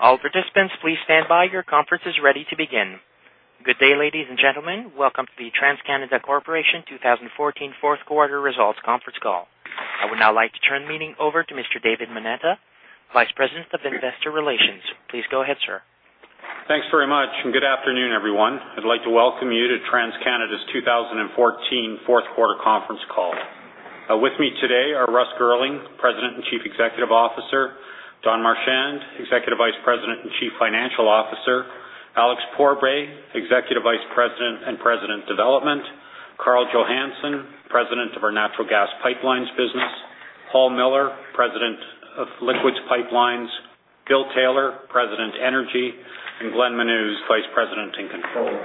Good day, ladies and gentlemen. Welcome to the TransCanada Corporation 2014 fourth quarter results conference call. I would now like to turn the meeting over to Mr. David Moneta, Vice President of Investor Relations. Please go ahead, sir. Thanks very much, and good afternoon, everyone. I'd like to welcome you to TransCanada's 2014 fourth quarter conference call. With me today are Russ Girling, President and Chief Executive Officer; Don Marchand, Executive Vice President and Chief Financial Officer; Alex Pourbaix, Executive Vice President and President, Development; Karl Johannson, President of our Natural Gas Pipelines business; Paul Miller, President of Liquids Pipelines; Bill Taylor, President, Energy, and Glenn Menuz, Vice President and Controller.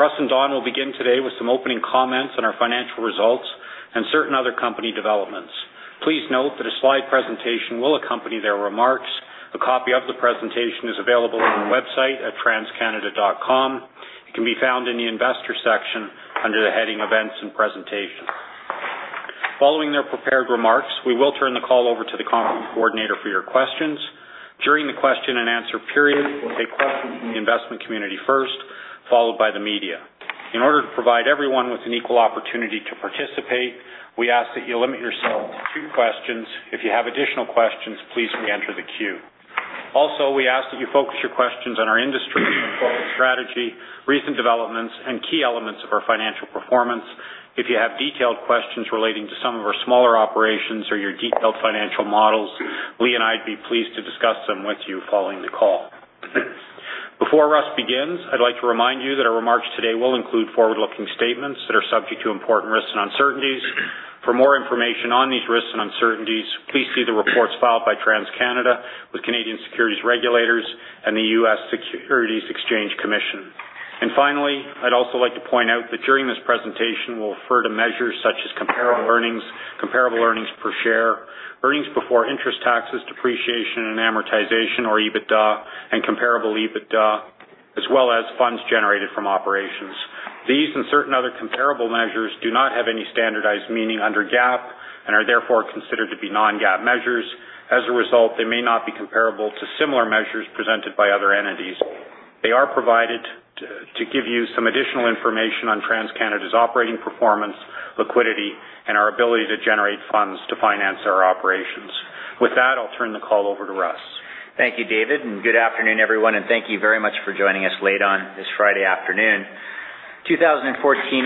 Russ and Don will begin today with some opening comments on our financial results and certain other company developments. Please note that a slide presentation will accompany their remarks. A copy of the presentation is available on our website at transcanada.com. It can be found in the investor section under the heading Events and Presentations. Following their prepared remarks, we will turn the call over to the conference coordinator for your questions. During the question and answer period, we'll take questions from the investment community first, followed by the media. In order to provide everyone with an equal opportunity to participate, we ask that you limit yourself to two questions. If you have additional questions, please reenter the queue. Also, we ask that you focus your questions on our industry, corporate strategy, recent developments, and key elements of our financial performance. If you have detailed questions relating to some of our smaller operations or your detailed financial models, Lee and I'd be pleased to discuss them with you following the call. Before Russ begins, I'd like to remind you that our remarks today will include forward-looking statements that are subject to important risks and uncertainties. For more information on these risks and uncertainties, please see the reports filed by TransCanada with Canadian securities regulators and the U.S. Securities and Exchange Commission. Finally, I'd also like to point out that during this presentation, we'll refer to measures such as comparable earnings, comparable earnings per share, earnings before interest, taxes, depreciation, and amortization or EBITDA, and comparable EBITDA, as well as funds generated from operations. These and certain other comparable measures do not have any standardized meaning under GAAP and are therefore considered to be non-GAAP measures. As a result, they may not be comparable to similar measures presented by other entities. They are provided to give you some additional information on TransCanada's operating performance, liquidity, and our ability to generate funds to finance our operations. With that, I'll turn the call over to Russ. Thank you, David, and good afternoon, everyone, and thank you very much for joining us late on this Friday afternoon. 2014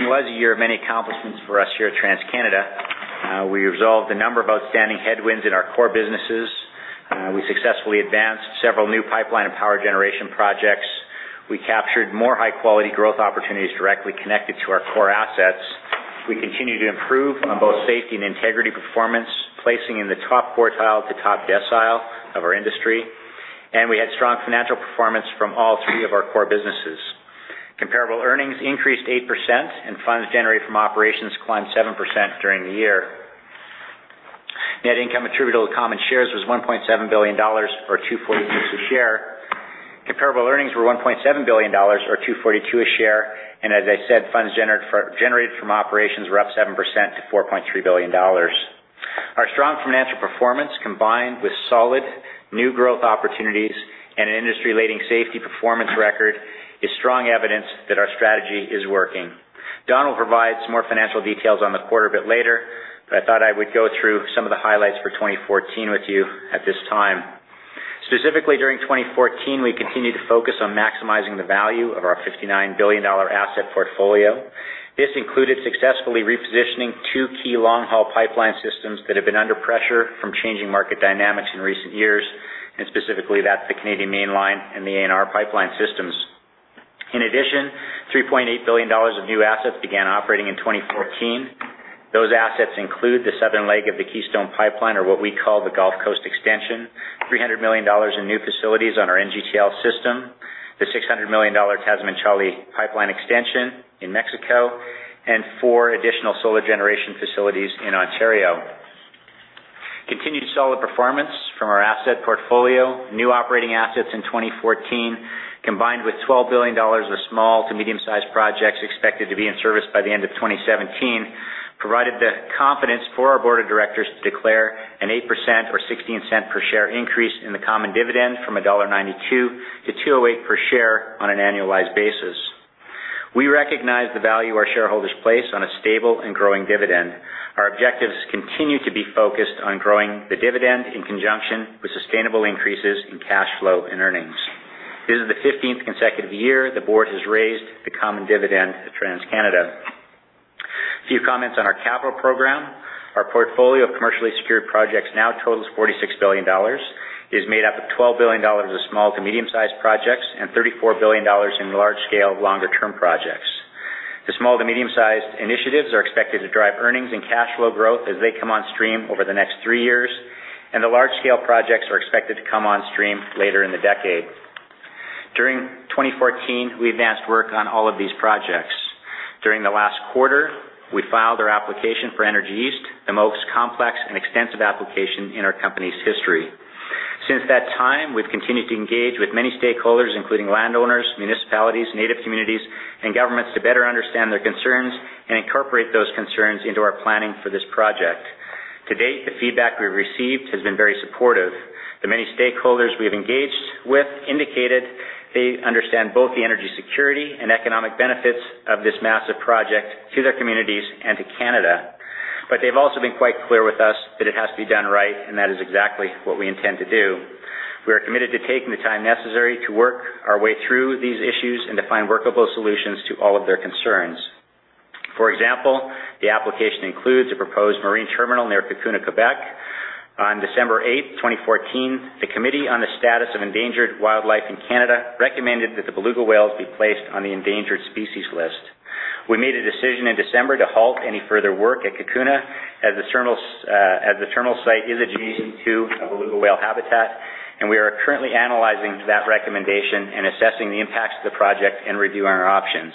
was a year of many accomplishments for us here at TransCanada. We resolved a number of outstanding headwinds in our core businesses. We successfully advanced several new pipeline and power generation projects. We captured more high-quality growth opportunities directly connected to our core assets. We continue to improve on both safety and integrity performance, placing in the top quartile to top decile of our industry, and we had strong financial performance from all three of our core businesses. Comparable earnings increased 8% and funds generated from operations climbed 7% during the year. Net income attributable to common shares was 1.7 billion dollars or 2.46 a share. Comparable earnings were 1.7 billion dollars or 2.42 a share. As I said, funds generated from operations were up 7% to 4.3 billion dollars. Our strong financial performance, combined with solid new growth opportunities and an industry-leading safety performance record, is strong evidence that our strategy is working. Don will provide some more financial details on the quarter a bit later, but I thought I would go through some of the highlights for 2014 with you at this time. Specifically, during 2014, we continued to focus on maximizing the value of our 59 billion dollar asset portfolio. This included successfully repositioning two key long-haul pipeline systems that have been under pressure from changing market dynamics in recent years, and specifically that's the Canadian Mainline and the ANR Pipeline systems. In addition, 3.8 billion dollars of new assets began operating in 2014. Those assets include the southern leg of the Keystone Pipeline or what we call the Gulf Coast Extension, 300 million dollars in new facilities on our NGTL System, the 600 million dollar Tamazunchale Pipeline extension in Mexico, and four additional solar generation facilities in Ontario. Continued solid performance from our asset portfolio. New operating assets in 2014, combined with 12 billion dollars of small to medium-sized projects expected to be in service by the end of 2017, provided the confidence for our board of directors to declare an 8% or 0.16 per share increase in the common dividend from 1.92-2.08 dollar per share on an annualized basis. We recognize the value our shareholders place on a stable and growing dividend. Our objectives continue to be focused on growing the dividend in conjunction with sustainable increases in cash flow and earnings. This is the 15th consecutive year the board has raised the common dividend at TransCanada. A few comments on our capital program. Our portfolio of commercially secured projects now totals 46 billion dollars. It is made up of 12 billion dollars of small to medium-sized projects and 34 billion dollars in large-scale, longer-term projects. The small to medium-sized initiatives are expected to drive earnings and cash flow growth as they come on stream over the next three years, and the large-scale projects are expected to come on stream later in the decade. During 2014, we advanced work on all of these projects. During the last quarter, we filed our application for Energy East, the most complex and extensive application in our company's history. Since that time, we've continued to engage with many stakeholders, including landowners, municipalities, native communities, and governments to better understand their concerns and incorporate those concerns into our planning for this project. To date, the feedback we've received has been very supportive. The many stakeholders we have engaged with indicated they understand both the energy security and economic benefits of this massive project to their communities and to Canada. They've also been quite clear with us that it has to be done right, and that is exactly what we intend to do. We are committed to taking the time necessary to work our way through these issues and to find workable solutions to all of their concerns. For example, the application includes a proposed marine terminal near Cacouna, Quebec. On December 8th, 2014, the Committee on the Status of Endangered Wildlife in Canada recommended that the beluga whales be placed on the endangered species list. We made a decision in December to halt any further work at Cacouna as the terminal site is adjacent to a beluga whale habitat, and we are currently analyzing that recommendation and assessing the impacts of the project and reviewing our options.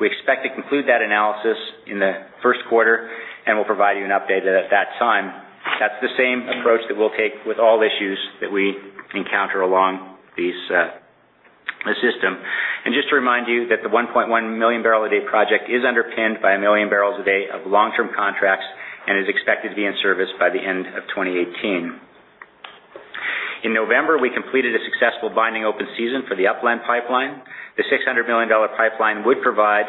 We expect to conclude that analysis in the first quarter, and we'll provide you an update at that time. That's the same approach that we'll take with all issues that we encounter along the system. Just to remind you that the 1.1 MMbpd project is underpinned by a million barrels per day of long-term contracts and is expected to be in service by the end of 2018. In November, we completed a successful binding open season for the Upland Pipeline. The $600 million pipeline would provide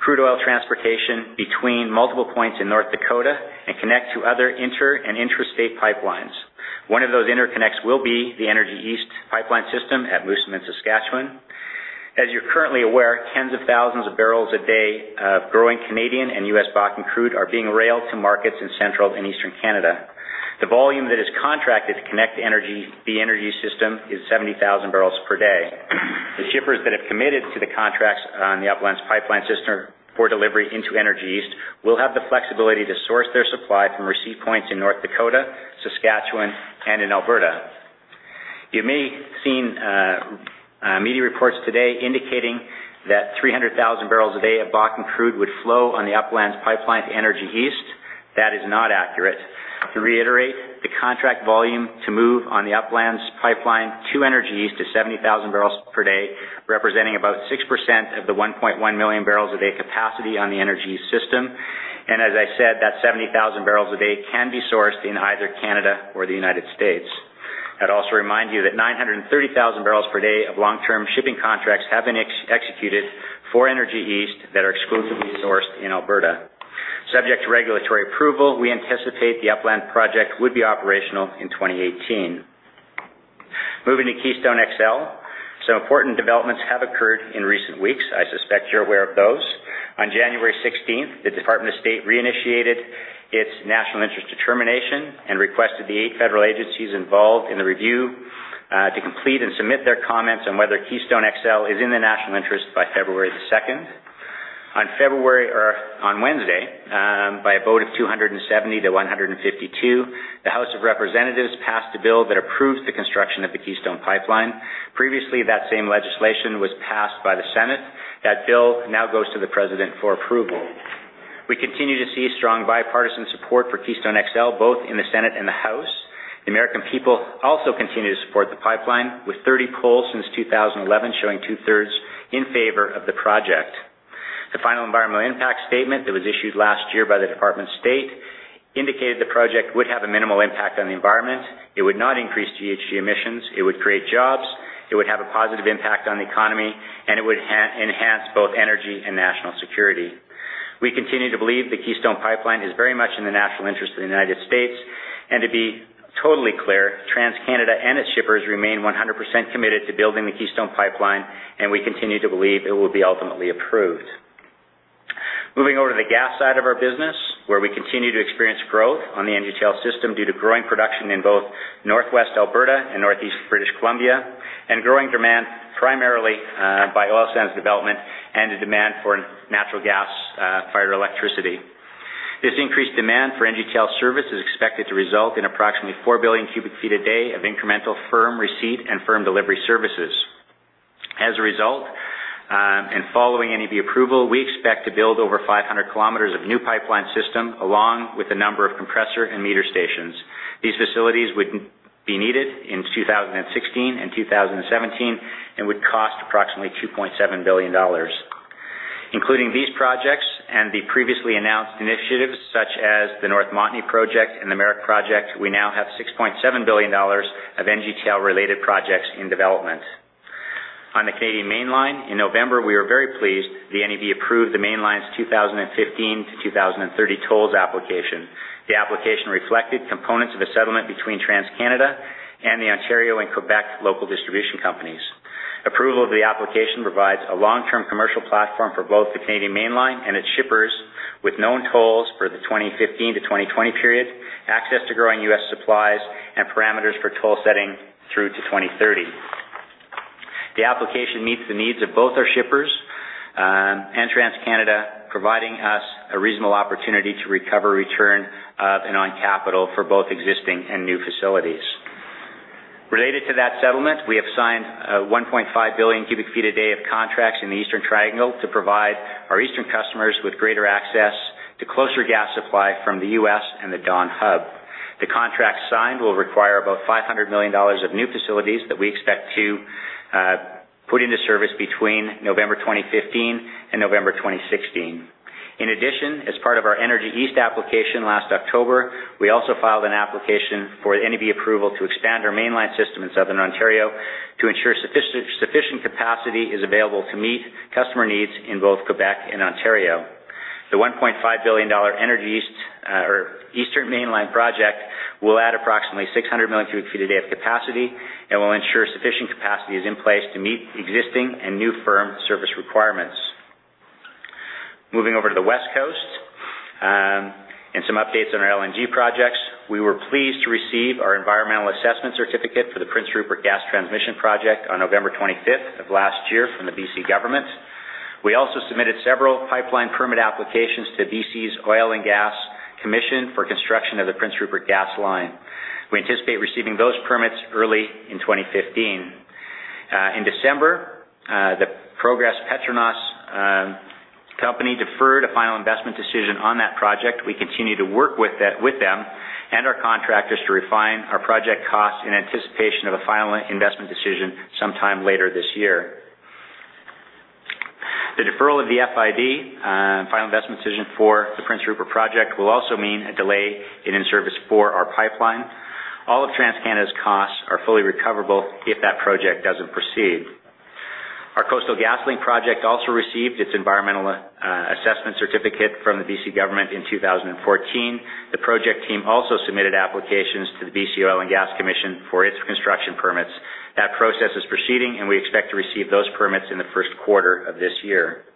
crude oil transportation between multiple points in North Dakota and connect to other inter- and intrastate pipelines. One of those interconnects will be the Energy East Pipeline system at Moosomin, Saskatchewan. As you're currently aware, tens of thousands of barrels a day of growing Canadian and U.S. Bakken crude are being railed to markets in central and eastern Canada. The volume that is contracted to connect the Energy East is 70,000 bbl per day. The shippers that have committed to the contracts on the Upland Pipeline system for delivery into Energy East will have the flexibility to source their supply from receipt points in North Dakota, Saskatchewan, and in Alberta. You may have seen media reports today indicating that 300,000 bbl a day of Bakken crude would flow on the Upland Pipeline to Energy East. That is not accurate. To reiterate, the contract volume to move on the Upland Pipeline to Energy East is 70,000 bbl per day, representing about 6% of the 1.1 MMbpd capacity on the Energy East system. As I said, that 70,000 bbl a day can be sourced in either Canada or the United States. I'd also remind you that 930,000 bbl per day of long-term shipping contracts have been executed for Energy East that are exclusively sourced in Alberta. Subject to regulatory approval, we anticipate the Upland project would be operational in 2018. Moving to Keystone XL, some important developments have occurred in recent weeks. I suspect you're aware of those. On January 16th, the Department of State reinitiated its national interest determination and requested the eight federal agencies involved in the review to complete and submit their comments on whether Keystone XL is in the national interest by February the 2nd. On Wednesday, by a vote of 270-152, the House of Representatives passed a bill that approves the construction of the Keystone Pipeline. Previously, that same legislation was passed by the Senate. That bill now goes to the President for approval. We continue to see strong bipartisan support for Keystone XL, both in the Senate and the House. The American people also continue to support the pipeline, with 30 polls since 2011 showing 2/3 in favor of the project. The final environmental impact statement that was issued last year by the Department of State indicated the project would have a minimal impact on the environment. It would not increase GHG emissions, it would create jobs, it would have a positive impact on the economy, and it would enhance both energy and national security. We continue to believe the Keystone Pipeline is very much in the national interest of the United States. To be totally clear, TransCanada and its shippers remain 100% committed to building the Keystone Pipeline, and we continue to believe it will be ultimately approved. Moving over to the gas side of our business, where we continue to experience growth on the NGTL System due to growing production in both Northwest Alberta and Northeast British Columbia, and growing demand primarily by oil sands development and the demand for natural gas-fired electricity. This increased demand for NGTL service is expected to result in approximately 4 billion cu ft a day of incremental firm receipt and firm delivery services. As a result, following the approval, we expect to build over 500 km of new pipeline system, along with a number of compressor and meter stations. These facilities would be needed in 2016 and 2017 and would cost approximately 2.7 billion dollars. Including these projects and the previously announced initiatives such as the North Montney project and the Merrick project, we now have 6.7 billion dollars of NGTL-related projects in development. On the Canadian Mainline, in November, we were very pleased that the NEB approved the Mainline's 2015-2030 tolls application. The application reflected components of a settlement between TransCanada and the Ontario and Quebec local distribution companies. Approval of the application provides a long-term commercial platform for both the Canadian Mainline and its shippers with known tolls for the 2015-2020 period, access to growing U.S. supplies, and parameters for toll setting through to 2030. The application meets the needs of both our shippers and TransCanada, providing us a reasonable opportunity to recover return on capital for both existing and new facilities. Related to that settlement, we have signed 1.5 billion cu ft a day of contracts in the Eastern Triangle to provide our eastern customers with greater access to the closer gas supply from the U.S. and the Dawn Hub. The contract signed will require about 500 million dollars of new facilities that we expect to put into service between November 2015 and November 2016. In addition, as part of our Energy East application last October, we also filed an application for NEB approval to expand our mainline system in Southern Ontario to ensure sufficient capacity is available to meet customer needs in both Quebec and Ontario. The 1.5 billion dollar Energy East or Eastern Mainline Project will add approximately 600 million cu ft a day of capacity and will ensure sufficient capacity is in place to meet existing and new firm service requirements. Moving over to the West Coast, some updates on our LNG projects. We were pleased to receive our environmental assessment certificate for the Prince Rupert Gas Transmission project on November 25th of last year from the BC government. We also submitted several pipeline permit applications to BC's Oil and Gas Commission for construction of the Prince Rupert gas line. We anticipate receiving those permits early in 2015. In December, the Progress Energy and Petronas company deferred a final investment decision on that project. We continue to work with them and our contractors to refine our project costs in anticipation of a final investment decision sometime later this year. The deferral of the FID, final investment decision, for the Prince Rupert project will also mean a delay in service for our pipeline. All of TransCanada's costs are fully recoverable if that project doesn't proceed. Our Coastal GasLink project also received its Environmental Assessment Certificate from the B.C. government in 2014. The project team also submitted applications to the B.C. Oil and Gas Commission for its construction permits. That process is proceeding, and we expect to receive those permits in the first quarter of this year.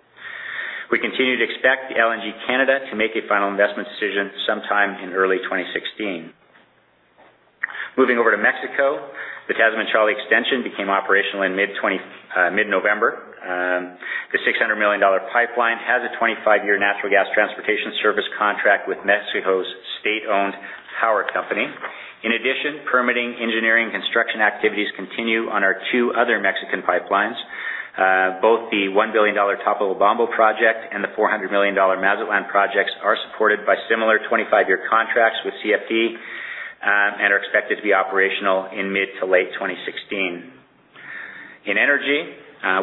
We continue to expect LNG Canada to make a final investment decision sometime in early 2016. Moving over to Mexico, the Tamazunchale extension became operational in mid-November. The $600 million pipeline has a 25-year natural gas transportation service contract with CFE, state-owned power company. In addition, permitting engineering construction activities continue on our two other Mexican pipelines. Both the $1 billion Topolobampo project and the $400 million Mazatlán projects are supported by similar 25-year contracts with CFE, and are expected to be operational in mid- to late 2016. In energy,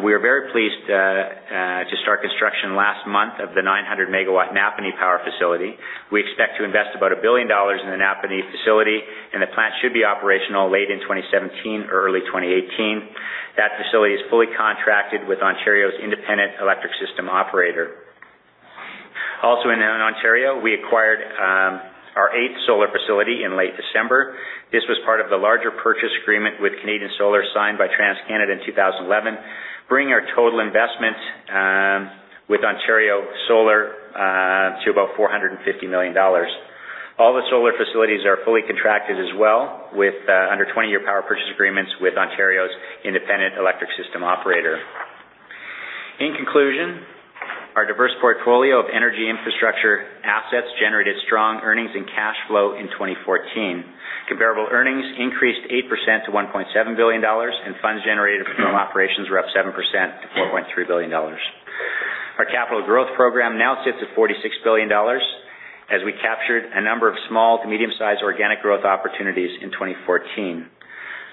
we are very pleased to start construction last month of the 900 MW Napanee Power facility. We expect to invest about $1 billion in the Napanee facility, and the plant should be operational late in 2017 or early 2018. That facility is fully contracted with Ontario's Independent Electricity System Operator. Also in Ontario, we acquired our eighth solar facility in late December. This was part of the larger purchase agreement with Canadian Solar, signed by TransCanada in 2011, bringing our total investment with Ontario Solar to about 450 million dollars. All the solar facilities are fully contracted as well with under 20-year power purchase agreements with Ontario's Independent Electricity System Operator. In conclusion, our diverse portfolio of energy infrastructure assets generated strong earnings and cash flow in 2014. Comparable earnings increased 8% to 1.7 billion dollars, and funds generated from operations were up 7% to 4.3 billion dollars. Our capital growth program now sits at 46 billion dollars as we captured a number of small to medium-sized organic growth opportunities in 2014.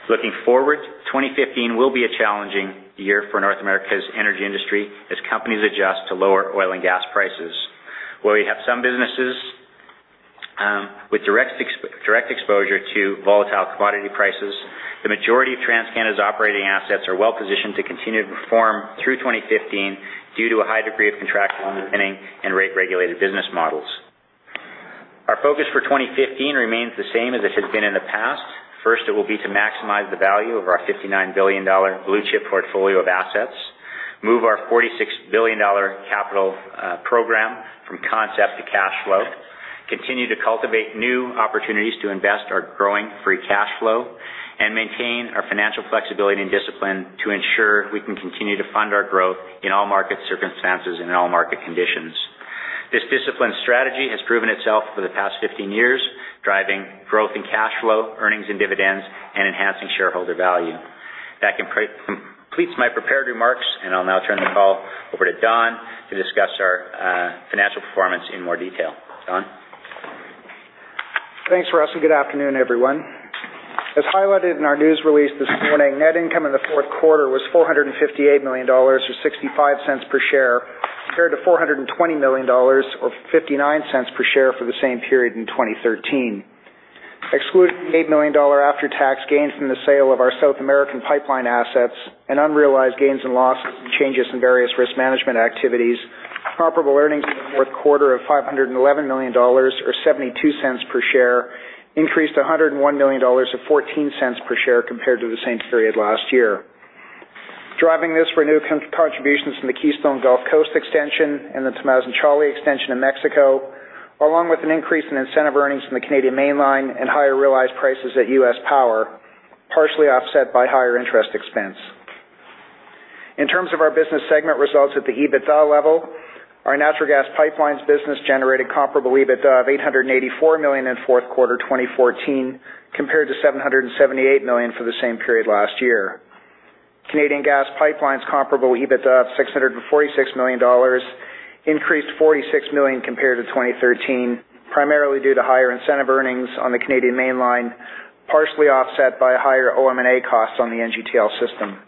Looking forward, 2015 will be a challenging year for North America's energy industry as companies adjust to lower oil and gas prices. Where we have some businesses with direct exposure to volatile commodity prices, the majority of TransCanada's operating assets are well-positioned to continue to perform through 2015 due to a high degree of contractual underpinning and rate-regulated business models. Our focus for 2015 remains the same as it has been in the past. First, it will be to maximize the value of our 59 billion dollar blue-chip portfolio of assets, move our 46 billion dollar capital program from concept to cash flow, continue to cultivate new opportunities to invest our growing free cash flow, and maintain our financial flexibility and discipline to ensure we can continue to fund our growth in all market circumstances and in all market conditions. This disciplined strategy has proven itself over the past 15 years, driving growth in cash flow, earnings, and dividends, and enhancing shareholder value. That completes my prepared remarks, and I'll now turn the call over to Don to discuss our financial performance in more detail. Don? Thanks, Russ, and good afternoon, everyone. As highlighted in our news release this morning, net income in the fourth quarter was 458 million dollars, or 0.65 per share, compared to 420 million dollars or 0.59 per share for the same period in 2013. Excluding the 8 million dollar after-tax gains from the sale of our South American pipeline assets and unrealized gains and losses from changes in various risk management activities, comparable earnings in the fourth quarter of 511 million dollars, or 0.72 per share, increased by 101 million dollars, or 0.14 per share, compared to the same period last year. Driving these were new contributions from the Keystone Gulf Coast Extension and the Tamazunchale Extension in Mexico, along with an increase in incentive earnings from the Canadian Mainline and higher realized prices at U.S. Power, partially offset by higher interest expense. In terms of our business segment results at the EBITDA level, our Natural Gas Pipelines business generated comparable EBITDA of CAD 884 million in fourth quarter 2014, compared to CAD 778 million for the same period last year. Canadian Gas Pipelines comparable EBITDA of CAD 646 million increased CAD 46 million compared to 2013, primarily due to higher incentive earnings on the Canadian Mainline, partially offset by higher OM&A costs on the NGTL System.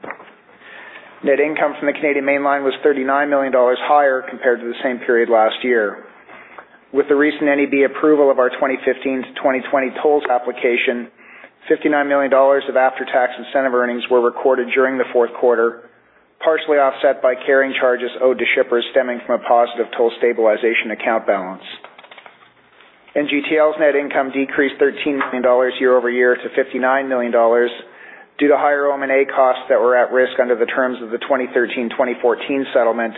Net income from the Canadian Mainline was 39 million dollars higher compared to the same period last year. With the recent NEB approval of our 2015 to 2020 tolls application, 59 million dollars of after-tax incentive earnings were recorded during the fourth quarter, partially offset by carrying charges owed to shippers stemming from a positive toll stabilization account balance. NGTL's net income decreased 13 million dollars year-over-year to 59 million dollars due to higher OM&A costs that were at risk under the terms of the 2013-2014 settlement,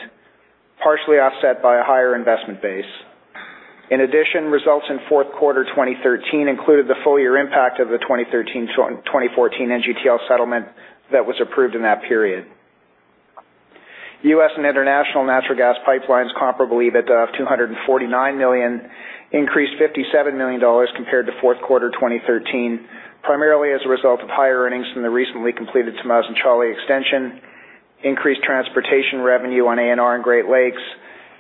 partially offset by a higher investment base. In addition, results in fourth quarter 2013 included the full year impact of the 2013-2014 NGTL settlement that was approved in that period. U.S. and International Natural Gas Pipelines comparable EBITDA of 249 million, increased 57 million dollars compared to fourth quarter 2013, primarily as a result of higher earnings from the recently completed Tamazunchale Extension, increased transportation revenue on ANR and Great Lakes,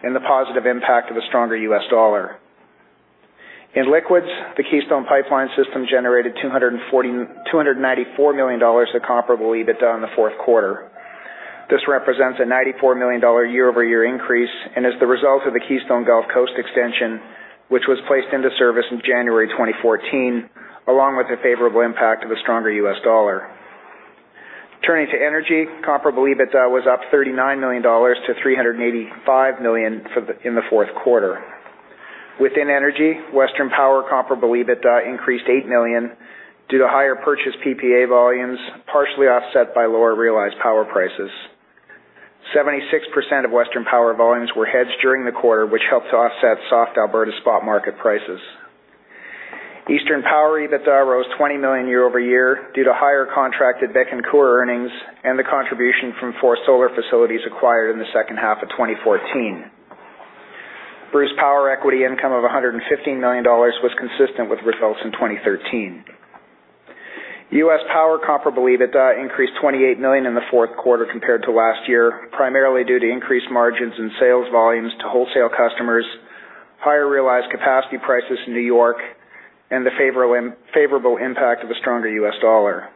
and the positive impact of a stronger U.S. dollar. In Liquids, the Keystone Pipeline System generated 294 million dollars of comparable EBITDA in the fourth quarter. This represents a 94 million dollar year-over-year increase and is the result of the Keystone Gulf Coast Extension, which was placed into service in January 2014, along with the favorable impact of a stronger U.S. dollar. Turning to Energy, comparable EBITDA was up 39 million dollars to 385 million in the fourth quarter. Within Energy, Western Power comparable EBITDA increased 8 million due to higher purchase PPA volumes, partially offset by lower realized power prices. 76% of Western Power volumes were hedged during the quarter, which helped to offset soft Alberta spot market prices. Eastern Power EBITDA rose 20 million year-over-year due to higher contracted Bruce A and Bruce B earnings and the contribution from four solar facilities acquired in the second half of 2014. Bruce Power equity income of 115 million dollars was consistent with results in 2013. U.S. Power comparable EBITDA increased 28 million in the fourth quarter compared to last year, primarily due to increased margins and sales volumes to wholesale customers, higher realized capacity prices in New York, and the favorable impact of a stronger U.S. dollar.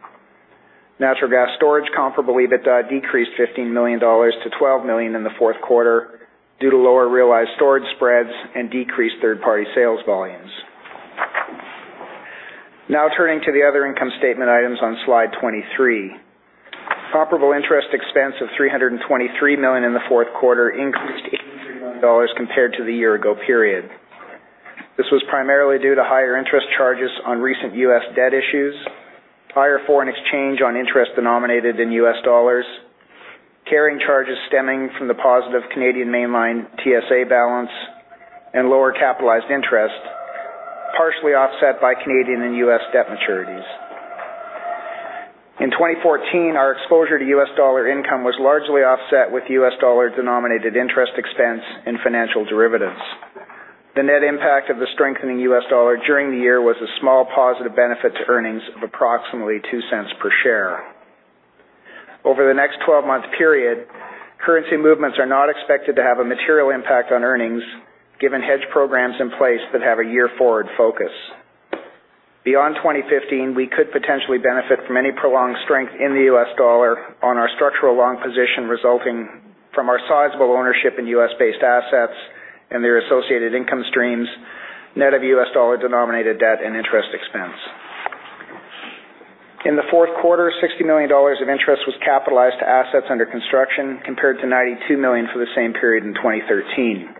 Natural Gas Storage comparable EBITDA decreased 15 million dollars to 12 million in the fourth quarter due to lower realized storage spreads and decreased third-party sales volumes. Now turning to the other income statement items on slide 23. Comparable interest expense of CAD 323 million in the fourth quarter increased CAD 83 million compared to the year ago period. This was primarily due to higher interest charges on recent U.S. debt issues, higher foreign exchange on interest denominated in U.S. dollars, carrying charges stemming from the positive Canadian Mainline TSA balance, and lower capitalized interest, partially offset by Canadian and U.S. debt maturities. In 2014, our exposure to U.S. dollar income was largely offset with U.S. dollar-denominated interest expense and financial derivatives. The net impact of the strengthening U.S. dollar during the year was a small positive benefit to earnings of approximately 0.02 Per share. Over the next 12-month period, currency movements are not expected to have a material impact on earnings given hedge programs in place that have a year-forward focus. Beyond 2015, we could potentially benefit from any prolonged strength in the U.S. dollar on our structural long position resulting from our sizable ownership in U.S.-based assets and their associated income streams, net of U.S. dollar-denominated debt and interest expense. In the fourth quarter, 60 million dollars of interest was capitalized to assets under construction, compared to 92 million for the same period in 2013.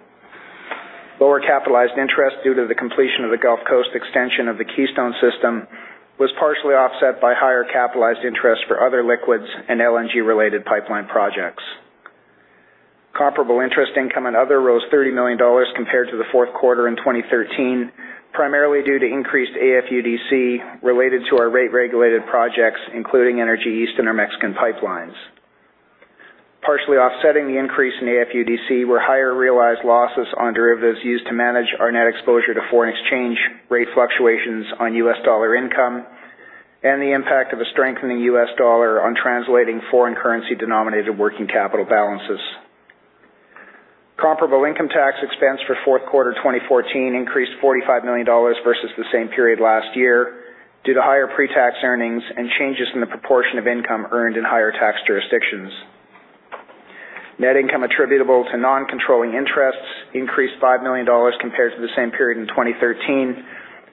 Lower capitalized interest due to the completion of the Gulf Coast Extension of the Keystone Pipeline system was partially offset by higher capitalized interest for other liquids and LNG-related pipeline projects. Comparable interest income and other rose 30 million dollars compared to the fourth quarter in 2013, primarily due to increased AFUDC related to our rate-regulated projects, including Energy East and our Mexican pipelines. Partially offsetting the increase in AFUDC were higher realized losses on derivatives used to manage our net exposure to foreign exchange rate fluctuations on U.S. dollar income and the impact of a strengthening U.S. dollar on translating foreign currency denominated working capital balances. Comparable income tax expense for fourth quarter 2014 increased 45 million dollars versus the same period last year due to higher pre-tax earnings and changes in the proportion of income earned in higher tax jurisdictions. Net income attributable to non-controlling interests increased 5 million dollars compared to the same period in 2013,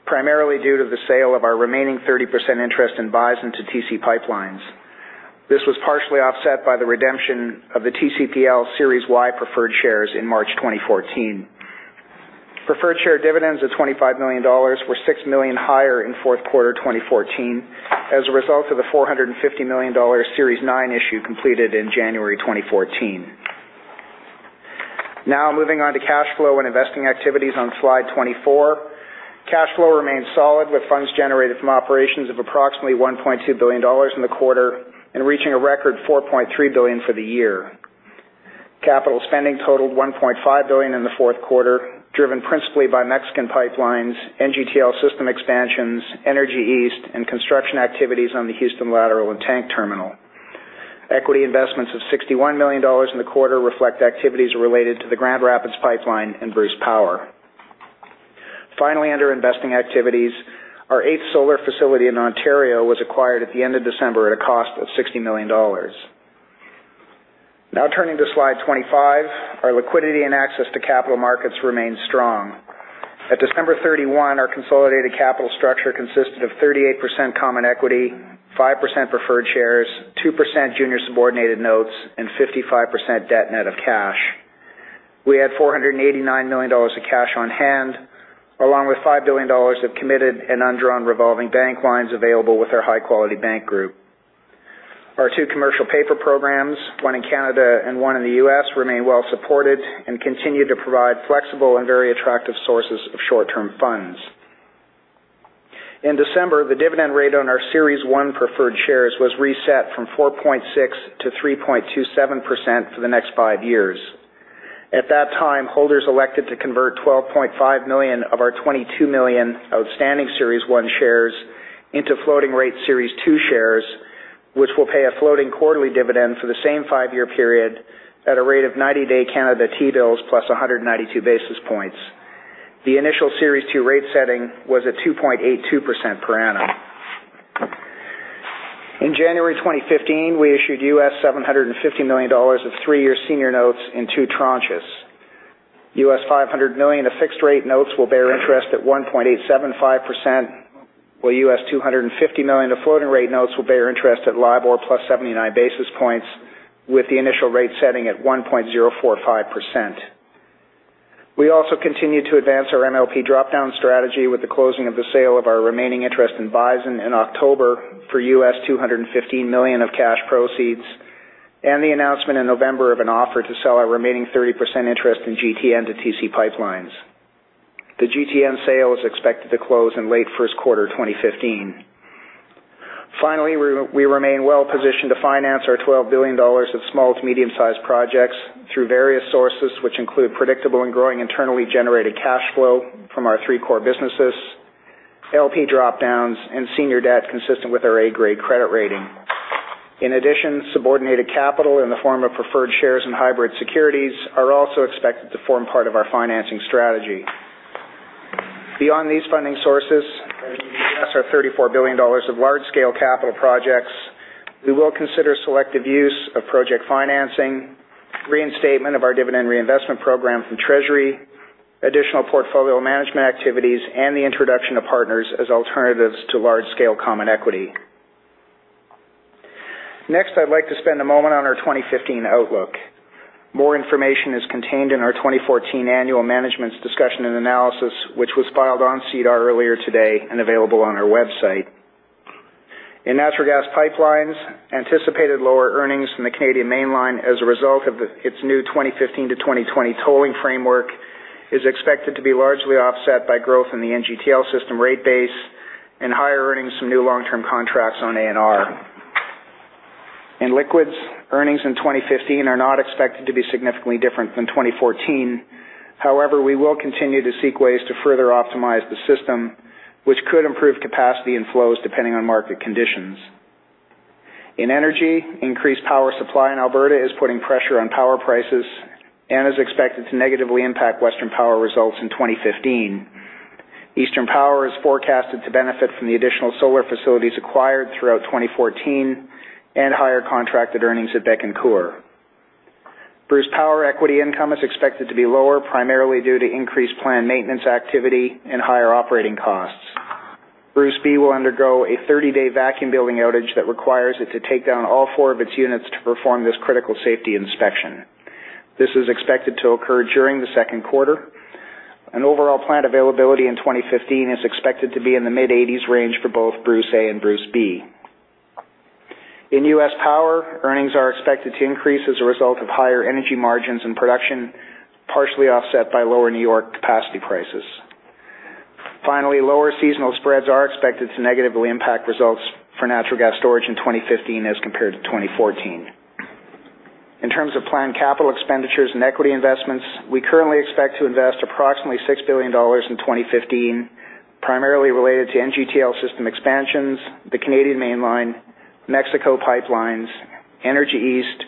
primarily due to the sale of our remaining 30% interest in Bison to TC PipeLines. This was partially offset by the redemption of the TCPL Series Y preferred shares in March 2014. Preferred share dividends of 25 million dollars were 6 million higher in fourth quarter 2014 as a result of the 450 million dollar Series 9 issue completed in January 2014. Now moving on to cash flow and investing activities on slide 24. Cash flow remains solid with funds generated from operations of approximately 1.2 billion dollars in the quarter and reaching a record 4.3 billion for the year. Capital spending totaled 1.5 billion in the fourth quarter, driven principally by Mexican pipelines, NGTL System expansions, Energy East, and construction activities on the Houston Lateral and tank terminal. Equity investments of 61 million dollars in the quarter reflect activities related to the Grand Rapids Pipeline and Bruce Power. Finally, under investing activities, our eighth solar facility in Ontario was acquired at the end of December at a cost of 60 million dollars. Now turning to slide 25. Our liquidity and access to capital markets remain strong. At December 31, our consolidated capital structure consisted of 38% common equity, 5% preferred shares, 2% junior subordinated notes, and 55% debt net of cash. We had 489 million dollars of cash on hand, along with 5 billion dollars of committed and undrawn revolving bank lines available with our high-quality bank group. Our two commercial paper programs, one in Canada and one in the U.S., remain well supported and continue to provide flexible and very attractive sources of short-term funds. In December, the dividend rate on our Series 1 preferred shares was reset from 4.6%-3.27% for the next five years. At that time, holders elected to convert 12.5 million of our 22 million outstanding Series 1 shares into floating-rate Series 2 shares, which will pay a floating quarterly dividend for the same five-year period at a rate of 90-day Canadian T-bills plus 192 basis points. The initial Series 2 rate setting was at 2.82% per annum. In January 2015, we issued $750 million of three-year senior notes in two tranches. $500 million of fixed-rate notes will bear interest at 1.875%, while $250 million of floating rate notes will bear interest at LIBOR plus 79 basis points, with the initial rate setting at 1.045%. We also continued to advance our MLP drop-down strategy with the closing of the sale of our remaining interest in Bison in October for $215 million of cash proceeds and the announcement in November of an offer to sell our remaining 30% interest in GTN to TC PipeLines, LP. The GTN sale is expected to close in late first quarter 2015. Finally, we remain well-positioned to finance our 12 billion dollars of small to medium-sized projects through various sources, which include predictable and growing internally generated cash flow from our three core businesses, LP drop-downs, and senior debt consistent with our A-grade credit rating. In addition, subordinated capital in the form of preferred shares and hybrid securities are also expected to form part of our financing strategy. Beyond these funding sources, our 34 billion dollars of large-scale capital projects, we will consider selective use of project financing, reinstatement of our dividend reinvestment program from Treasury, additional portfolio management activities, and the introduction of partners as alternatives to large-scale common equity. Next, I'd like to spend a moment on our 2015 outlook. More information is contained in our 2014 Annual Management's Discussion and Analysis, which was filed on SEDAR earlier today and available on our website. In natural gas pipelines, anticipated lower earnings from the Canadian Mainline as a result of its new 2015-2020 tolling framework is expected to be largely offset by growth in the NGTL System rate base and higher earnings from new long-term contracts on ANR. In liquids, earnings in 2015 are not expected to be significantly different than 2014. However, we will continue to seek ways to further optimize the system, which could improve capacity and flows depending on market conditions. In energy, increased power supply in Alberta is putting pressure on power prices and is expected to negatively impact Western Power results in 2015. Eastern Power is forecasted to benefit from the additional solar facilities acquired throughout 2014 and higher contracted earnings at Bécancour. Bruce Power equity income is expected to be lower, primarily due to increased plant maintenance activity and higher operating costs. Bruce B will undergo a 30-day vacuum building outage that requires it to take down all four of its units to perform this critical safety inspection. This is expected to occur during the second quarter. An overall plant availability in 2015 is expected to be in the mid-80s range for both Bruce A and Bruce B. In U.S. Power, earnings are expected to increase as a result of higher energy margins and production, partially offset by lower New York capacity prices. Lower seasonal spreads are expected to negatively impact results for Natural Gas Storage in 2015 as compared to 2014. In terms of planned capital expenditures and equity investments, we currently expect to invest approximately 6 billion dollars in 2015, primarily related to NGTL System expansions, the Canadian Mainline, Mexico pipelines, Energy East,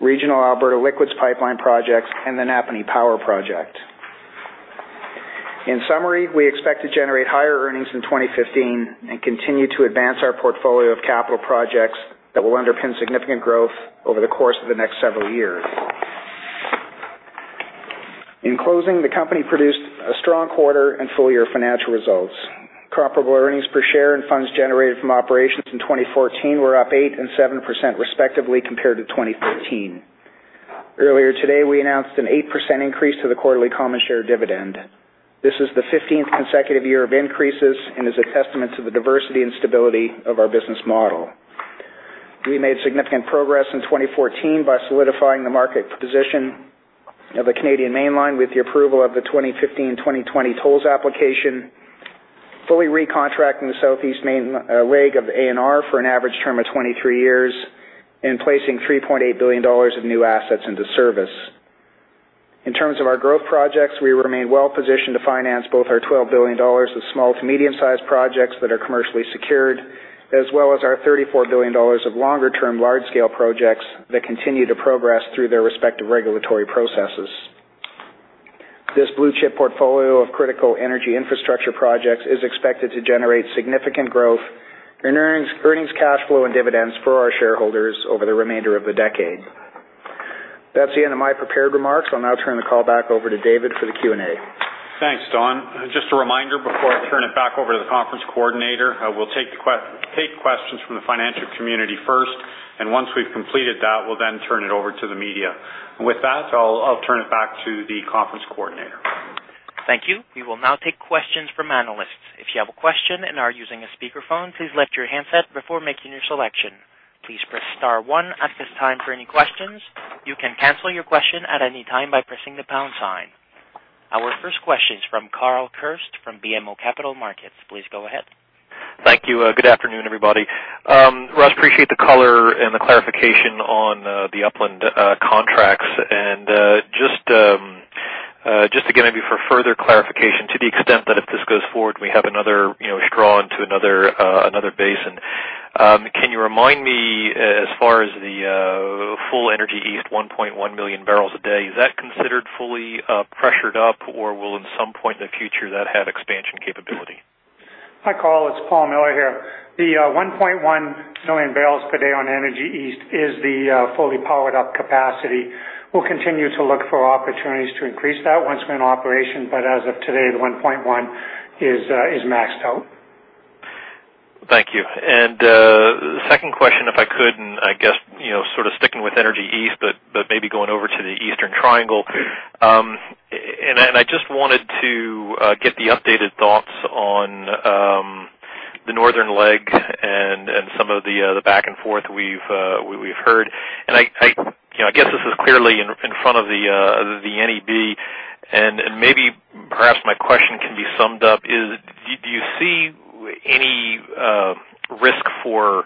regional Alberta liquids pipeline projects, and the Napanee power project. In summary, we expect to generate higher earnings in 2015 and continue to advance our portfolio of capital projects that will underpin significant growth over the course of the next several years. In closing, the company produced a strong quarter and full-year financial results. Comparable earnings per share and funds generated from operations in 2014 were up 8% and 7% respectively compared to 2013. Earlier today, we announced an 8% increase to the quarterly common share dividend. This is the 15th consecutive year of increases and is a testament to the diversity and stability of our business model. We made significant progress in 2014 by solidifying the market position of the Canadian Mainline with the approval of the 2015-2020 tolls application, fully recontracting the Southeast Mainline of ANR for an average term of 23 years, and placing 3.8 billion dollars of new assets into service. In terms of our growth projects, we remain well-positioned to finance both our 12 billion dollars of small to medium-sized projects that are commercially secured, as well as our 34 billion dollars of longer-term large-scale projects that continue to progress through their respective regulatory processes. This blue-chip portfolio of critical energy infrastructure projects is expected to generate significant growth in earnings, cash flow, and dividends for our shareholders over the remainder of the decade. That's the end of my prepared remarks. I'll now turn the call back over to David for the Q&A. Thanks, Don. Just a reminder before I turn it back over to the conference coordinator. We'll take questions from the financial community first, and once we've completed that, we'll then turn it over to the media. With that, I'll turn it back to the conference coordinator. Thank you. We will now take questions from analysts. If you have a question and are using a speakerphone, please lift your handset before making your selection. Please press star one at this time for any questions. You can cancel your question at any time by pressing the pound sign. Our first question is from Carl Kirst from BMO Capital Markets. Please go ahead. Thank you. Good afternoon, everybody. Russ, appreciate the color and the clarification on the Upland contracts. Just again, maybe for further clarification, to the extent that if this goes forward, we have another straw into another basin. Can you remind me, as far as the full Energy East, 1.1 million bbl a day, is that considered fully pressured up or will at some point in the future that have expansion capability? Hi, Karl, it's Paul Miller here. The 1.1 MMbpd on Energy East is the fully powered-up capacity. We'll continue to look for opportunities to increase that once we're in operation, but as of today, the 1.1 is maxed out. Thank you. Second question, if I could, and I guess sort of sticking with Energy East, but maybe going over to the Eastern Triangle. I just wanted to get the updated thoughts on the northern leg and some of the back and forth we've heard, and I guess this is clearly in front of the NEB, and maybe, perhaps, my question can be summed up is, do you see any risk for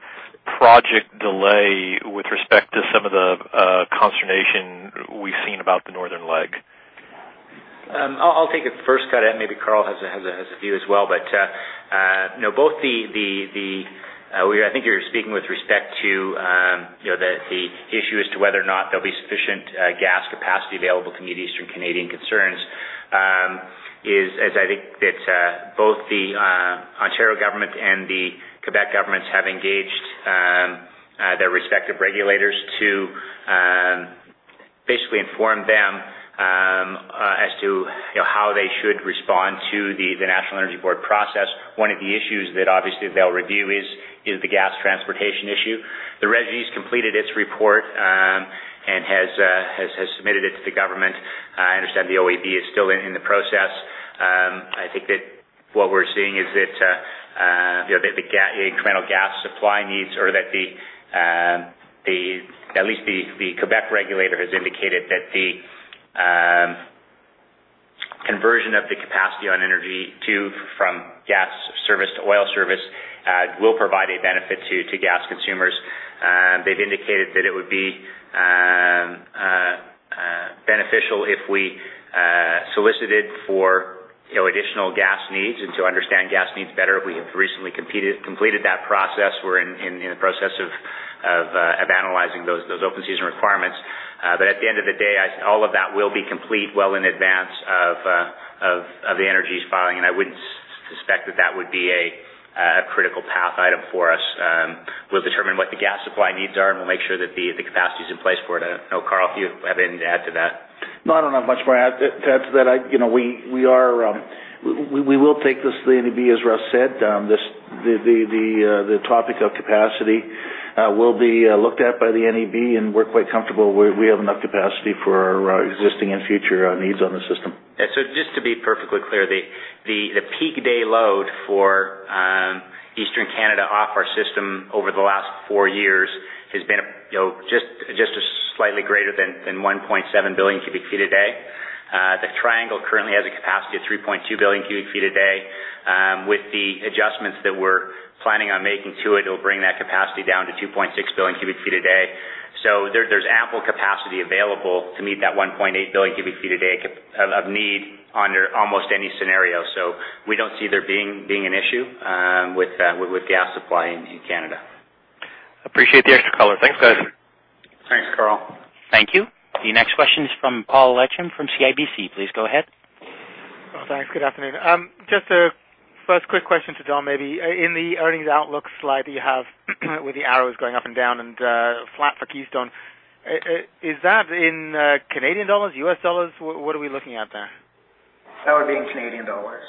project delay with respect to some of the consternation we've seen about the northern leg? I'll take a first cut at it, maybe Karl has a view as well. I think you're speaking with respect to the issue as to whether or not there'll be sufficient gas capacity available to meet Eastern Canadian concerns. As I think that both the Ontario government and the Quebec governments have engaged their respective regulators to basically inform them as to how they should respond to the National Energy Board process. One of the issues that obviously they'll review is the gas transportation issue. The Régie's completed its report, and has submitted it to the government. I understand the OEB is still in the process. I think that what we're seeing is that the incremental gas supply needs, or that at least the Quebec regulator has indicated that the conversion of the capacity on Energy East from gas service to oil service will provide a benefit to gas consumers. They've indicated that it would be beneficial if we solicited for additional gas needs and to understand gas needs better. We have recently completed that process. We're in the process of analyzing those open-season requirements. At the end of the day, all of that will be complete well in advance of the Energy East filing, and I wouldn't suspect that that would be a critical path item for us. We'll determine what the gas supply needs are, and we'll make sure that the capacity is in place for it. I don't know, Karl, if you have anything to add to that. No, I don't have much more to add to that. We will take this to the NEB, as Russ said. The topic of capacity will be looked at by the NEB, and we're quite comfortable we have enough capacity for our existing and future needs on the system. Just to be perfectly clear, the peak day load for Eastern Canada off our system over the last four years has been just slightly greater than 1.7 billion cu ft a day. The triangle currently has a capacity of 3.2 billion cu ft a day. With the adjustments that we're planning on making to it'll bring that capacity down to 2.6 billion cu ft a day. There's ample capacity available to meet that 1.8 billion cu ft a day of need under almost any scenario. We don't see there being an issue with gas supply in Canada. Appreciate the extra color. Thanks, guys. Thanks, Karl. Thank you. The next question is from Paul Lechem from CIBC. Please go ahead. Thanks. Good afternoon. Just a first quick question to Don, maybe. In the earnings outlook slide that you have with the arrows going up and down and flat for Keystone, is that in Canadian dollars, U.S. dollars? What are we looking at there? That would be in Canadian dollars.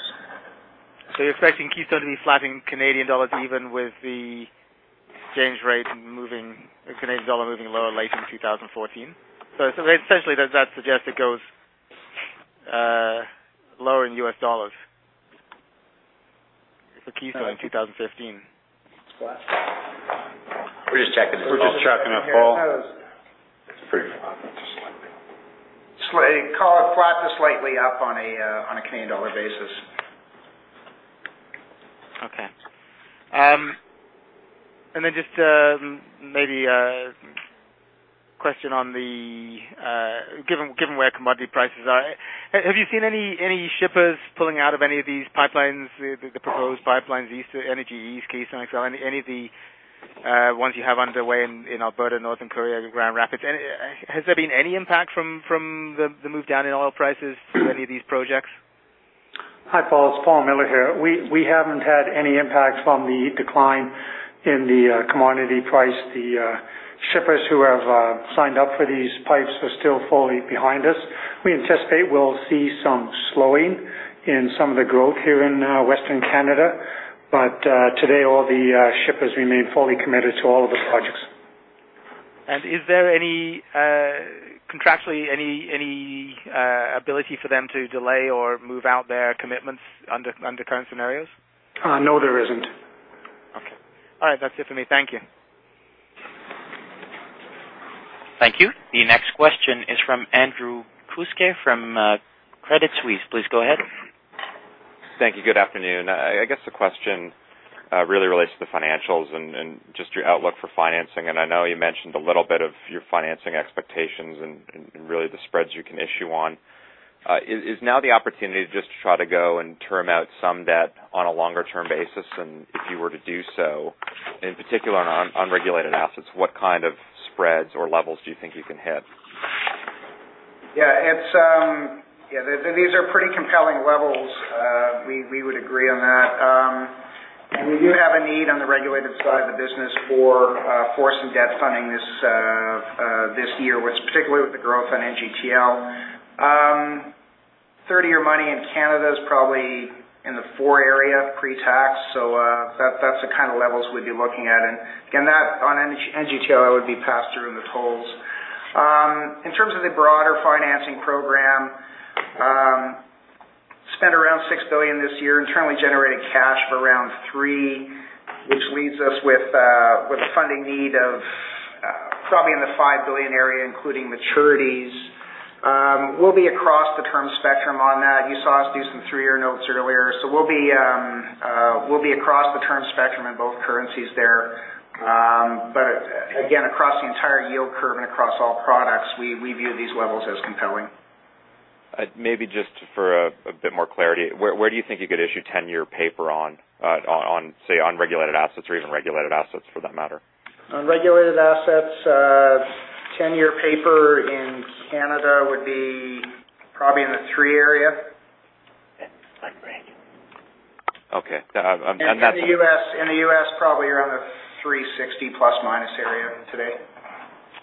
You're expecting Keystone to be flat in Canadian dollars even with the exchange rate moving, the Canadian dollar moving lower late in 2014? Essentially does that suggest it goes lower in U.S. dollars for Keystone in 2015? Flat. We're just checking. We're just checking with Paul. That's pretty flat. Flat to slightly up on a Canadian dollar basis. Okay. Just maybe a question on the, given where commodity prices are, have you seen any shippers pulling out of any of these pipelines, the proposed pipelines, Energy East, Keystone XL, any of the ones you have underway in Alberta, Northern Courier, Grand Rapids? Has there been any impact from the move down in oil prices for any of these projects? Hi, Paul, it's Paul Miller here. We haven't had any impacts from the decline in the commodity price. The shippers who have signed up for these pipes are still fully behind us. We anticipate we'll see some slowing in some of the growth here in Western Canada. Today, all the shippers remain fully committed to all of the projects. Is there, contractually, any ability for them to delay or move out their commitments under current scenarios? No, there isn't. Okay. All right. That's it for me. Thank you. Thank you. The next question is from Andrew Kuske from Credit Suisse. Please go ahead. Thank you. Good afternoon. I guess the question really relates to the financials and just your outlook for financing. I know you mentioned a little bit of your financing expectations and really the spreads you can issue on. Is now the opportunity just to try to go and term out some debt on a longer-term basis? If you were to do so, in particular on unregulated assets, what kind of spreads or levels do you think you can hit? Yeah. These are pretty compelling levels. We would agree on that. We do have a need on the regulated side of the business for some debt funding this year, which, particularly with the growth on NGTL. Three-year money in Canada is probably in the 4% area pre-tax. That's the kind of levels we'd be looking at. Again, on NGTL, that would be passed through in the tolls. In terms of the broader financing program, we spent around 6 billion this year, we're internally generating cash of around 3 billion, which leaves us with a funding need of probably in the 5 billion area, including maturities. We'll be across the term spectrum on that. You saw us do some three-year notes earlier. We'll be across the term spectrum in both currencies there. Again, across the entire yield curve and across all products, we view these levels as compelling. Maybe just for a bit more clarity, where do you think you could issue 10-year paper on, say, unregulated assets or even regulated assets for that matter? Unregulated assets, 10-year paper in Canada would be probably in the three area. Okay. In the U.S., probably around the 360 ± area today.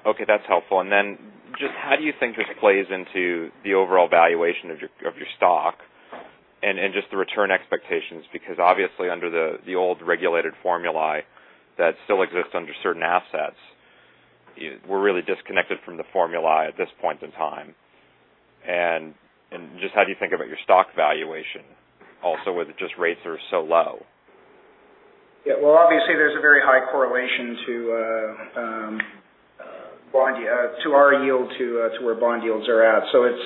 Okay, that's helpful. Just how do you think this plays into the overall valuation of your stock and just the return expectations? Because obviously under the old regulated formulae that still exists under certain assets, we're really disconnected from the formulae at this point in time. Just how do you think about your stock valuation also with just rates are so low? Yeah. Well, obviously, there's a very high correlation to our yield to where bond yields are at. So it's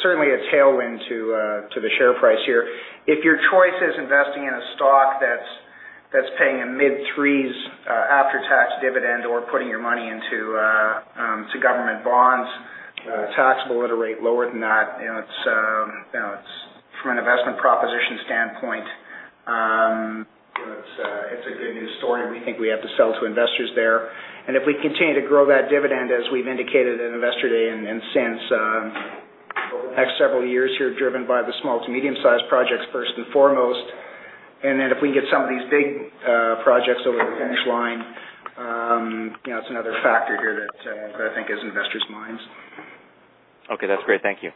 certainly a tailwind to the share price here. If your choice is investing in a stock that's paying a mid threes after-tax dividend or putting your money into government bonds, taxable at a rate lower than that, from an investment proposition standpoint, it's a good news story, and we think we have to sell to investors there. If we continue to grow that dividend as we've indicated at Investor Day and since, over the next several years here, driven by the small to medium-sized projects, first and foremost, and then if we can get some of these big projects over the finish line, it's another factor here that I think is in investors' minds. Okay, that's great. Thank you.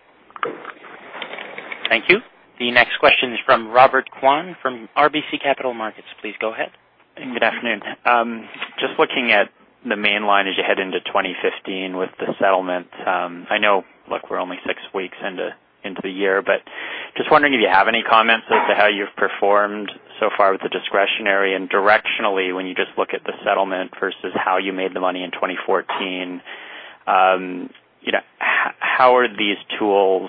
Thank you. The next question is from Robert Kwan from RBC Capital Markets. Please go ahead. Good afternoon. Just looking at the Mainline as you head into 2015 with the settlement. I know, look, we're only six weeks into the year, but just wondering if you have any comments as to how you've performed so far with the discretionary and directionally, when you just look at the settlement versus how you made the money in 2014. How are these tools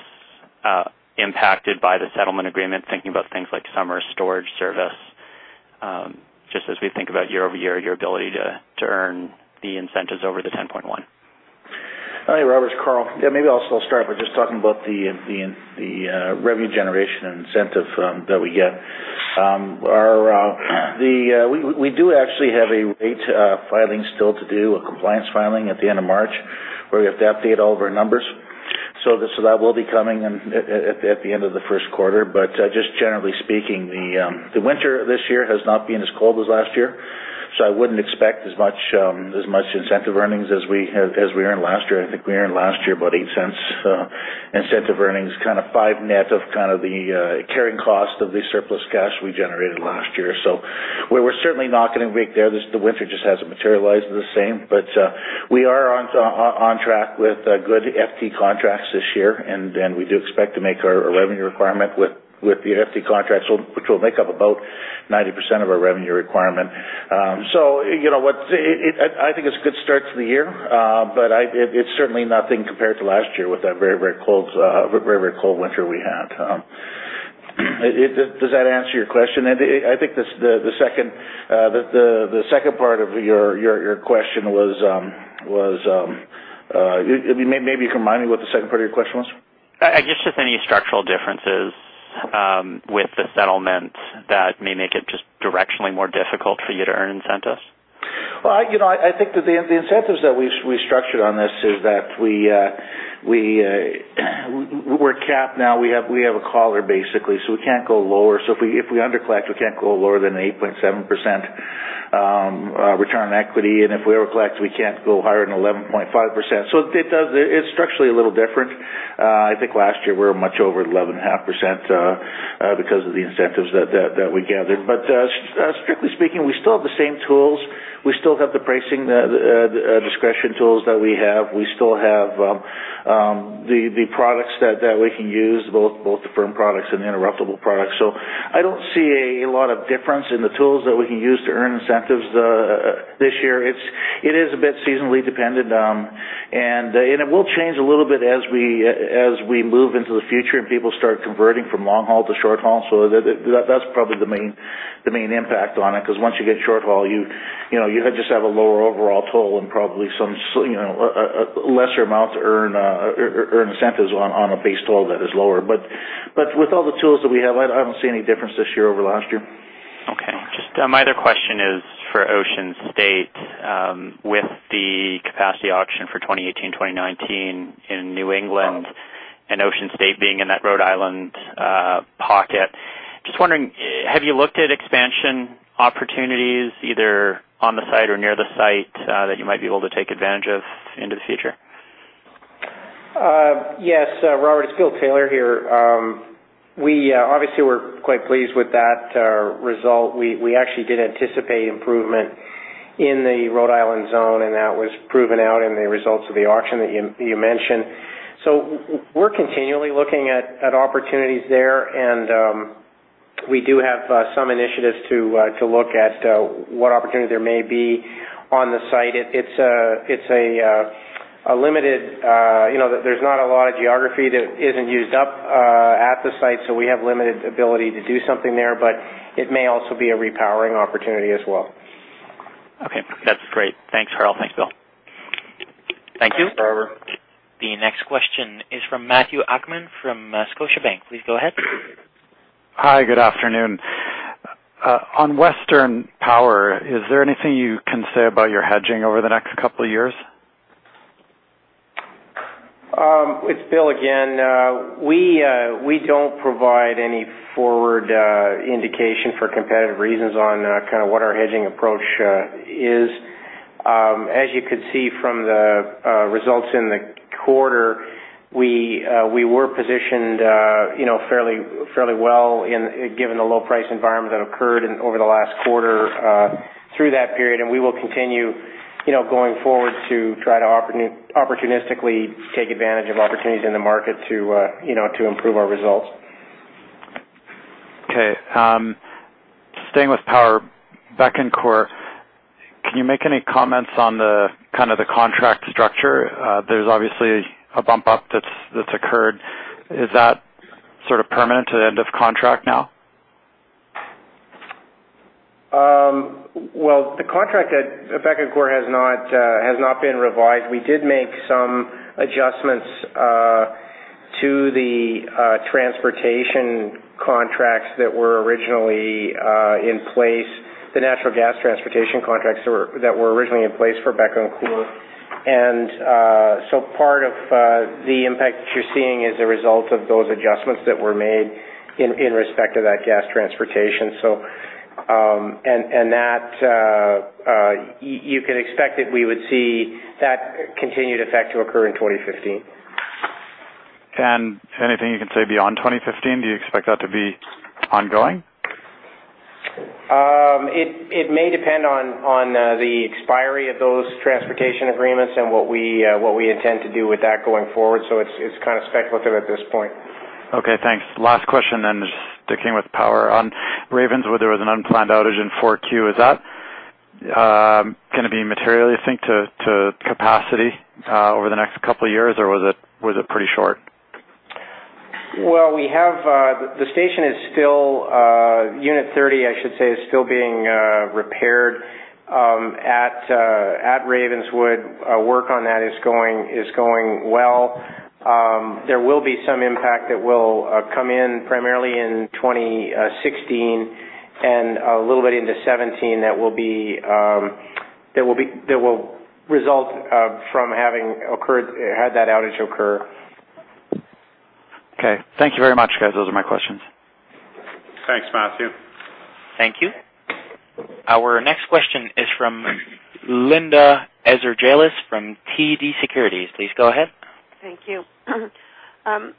impacted by the settlement agreement, thinking about things like summer storage service, just as we think about year-over-year, your ability to earn the incentives over the 10.1? Hi, Robert. It's Karl. Yeah, maybe I'll start by just talking about the revenue generation incentive that we get. We do actually have a rate filing still to do, a compliance filing at the end of March, where we have to update all of our numbers. That will be coming at the end of the first quarter. Just generally speaking, the winter this year has not been as cold as last year, so I wouldn't expect as much incentive earnings as we earned last year. I think we earned last year about 0.08 incentive earnings, kind of 0.05 net of kind of the carrying cost of the surplus cash we generated last year. We're certainly not going to break there. The winter just hasn't materialized the same. We are on track with good FT contracts this year, and we do expect to make our revenue requirement with the FT contracts, which will make up about 90% of our revenue requirement. I think it's a good start to the year. It's certainly nothing compared to last year with that very cold winter we had. Does that answer your question? I think the second part of your question was. Maybe you can remind me what the second part of your question was? I guess just any structural differences with the settlement that may make it just directionally more difficult for you to earn incentives. Well, I think that the incentives that we structured on this is that we're capped now. We have a collar, basically, so we can't go lower. If we under collect, we can't go lower than 8.7% return on equity. If we over collect, we can't go higher than 11.5%. It's structurally a little different. I think last year we were much over 11.5% because of the incentives that we gathered. Strictly speaking, we still have the same tools. We still have the pricing discretion tools that we have. We still have the products that we can use, both the firm products and the interruptible products. I don't see a lot of difference in the tools that we can use to earn incentives this year. It is a bit seasonally dependent. It will change a little bit as we move into the future and people start converting from long haul to short haul. That's probably the main impact on it, because once you get short haul, you just have a lower overall toll and probably some lesser amount to earn incentives on a base toll that is lower. With all the tools that we have, I don't see any difference this year over last year. Okay. Just my other question is for Ocean State, with the capacity auction for 2018, 2019 in New England and Ocean State being in that Rhode Island pocket, just wondering, have you looked at expansion opportunities either on the site or near the site that you might be able to take advantage of into the future? Yes. Robert, it's Bill Taylor here. Obviously, we're quite pleased with that result. We actually did anticipate improvement in the Rhode Island zone, and that was proven out in the results of the auction that you mentioned. We're continually looking at opportunities there, and we do have some initiatives to look at what opportunities there may be on the site. There's not a lot of geography that isn't used up at the site, so we have limited ability to do something there. It may also be a repowering opportunity as well. Okay. That's great. Thanks, Karl. Thanks, Bill. Thank you. Thanks, Robert. The next question is from Matthew Akman from Scotiabank. Please go ahead. Hi. Good afternoon. On Western Power, is there anything you can say about your hedging over the next couple of years? It's Bill again. We don't provide any forward indication for competitive reasons on kind of what our hedging approach is. As you could see from the results in the quarter, we were positioned fairly well given the low price environment that occurred over the last quarter through that period. We will continue going forward to try to opportunistically take advantage of opportunities in the market to improve our results. Okay. Staying with power, Bécancour. Can you make any comments on the contract structure? There's obviously a bump up that's occurred. Is that sort of permanent to the end of contract now? Well, the contract at Bécancour has not been revised. We did make some adjustments to the transportation contracts that were originally in place, the natural gas transportation contracts that were originally in place for Bécancour. Part of the impact that you're seeing is a result of those adjustments that were made in respect to that gas transportation. You can expect that we would see that continued effect to occur in 2015. Anything you can say beyond 2015? Do you expect that to be ongoing? It may depend on the expiry of those transportation agreements and what we intend to do with that going forward. It's kind of speculative at this point. Okay, thanks. Last question, just sticking with power. On Ravenswood, there was an unplanned outage in Q4. Is that going to be material, you think, to capacity over the next couple of years, or was it pretty short? Well, the station is still, unit 30, I should say, is still being repaired at Ravenswood. Work on that is going well. There will be some impact that will come in primarily in 2016 and a little bit into 2017, that will result from having had that outage occur. Okay. Thank you very much, guys. Those are my questions. Thanks, Matthew. Thank you. Our next question is from Linda Ezergailis from TD Securities. Please go ahead. Thank you.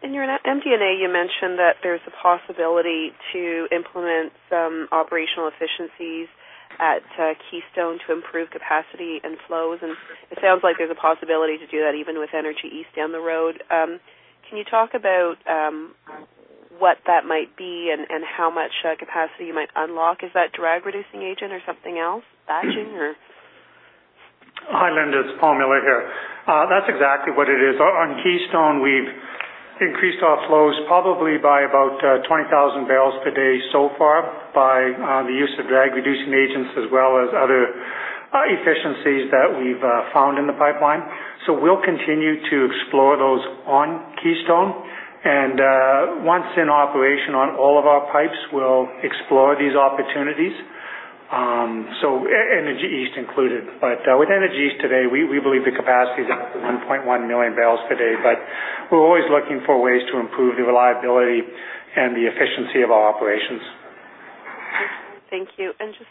In your MD&A, you mentioned that there's a possibility to implement some operational efficiencies at Keystone to improve capacity and flows. It sounds like there's a possibility to do that even with Energy East down the road. Can you talk about what that might be and how much capacity you might unlock? Is that drag-reducing agent or something else? Batching, or? Hi, Linda. It's Paul Miller here. That's exactly what it is. On Keystone, we've increased our flows probably by about 20,000 bbl per day so far by the use of drag-reducing agents, as well as other efficiencies that we've found in the pipeline. We'll continue to explore those on Keystone. Once in operation on all of our pipes, we'll explore these opportunities, Energy East included. With Energy East today, we believe the capacity is up to 1.1 MMbpd. We're always looking for ways to improve the reliability and the efficiency of our operations. Thank you. Just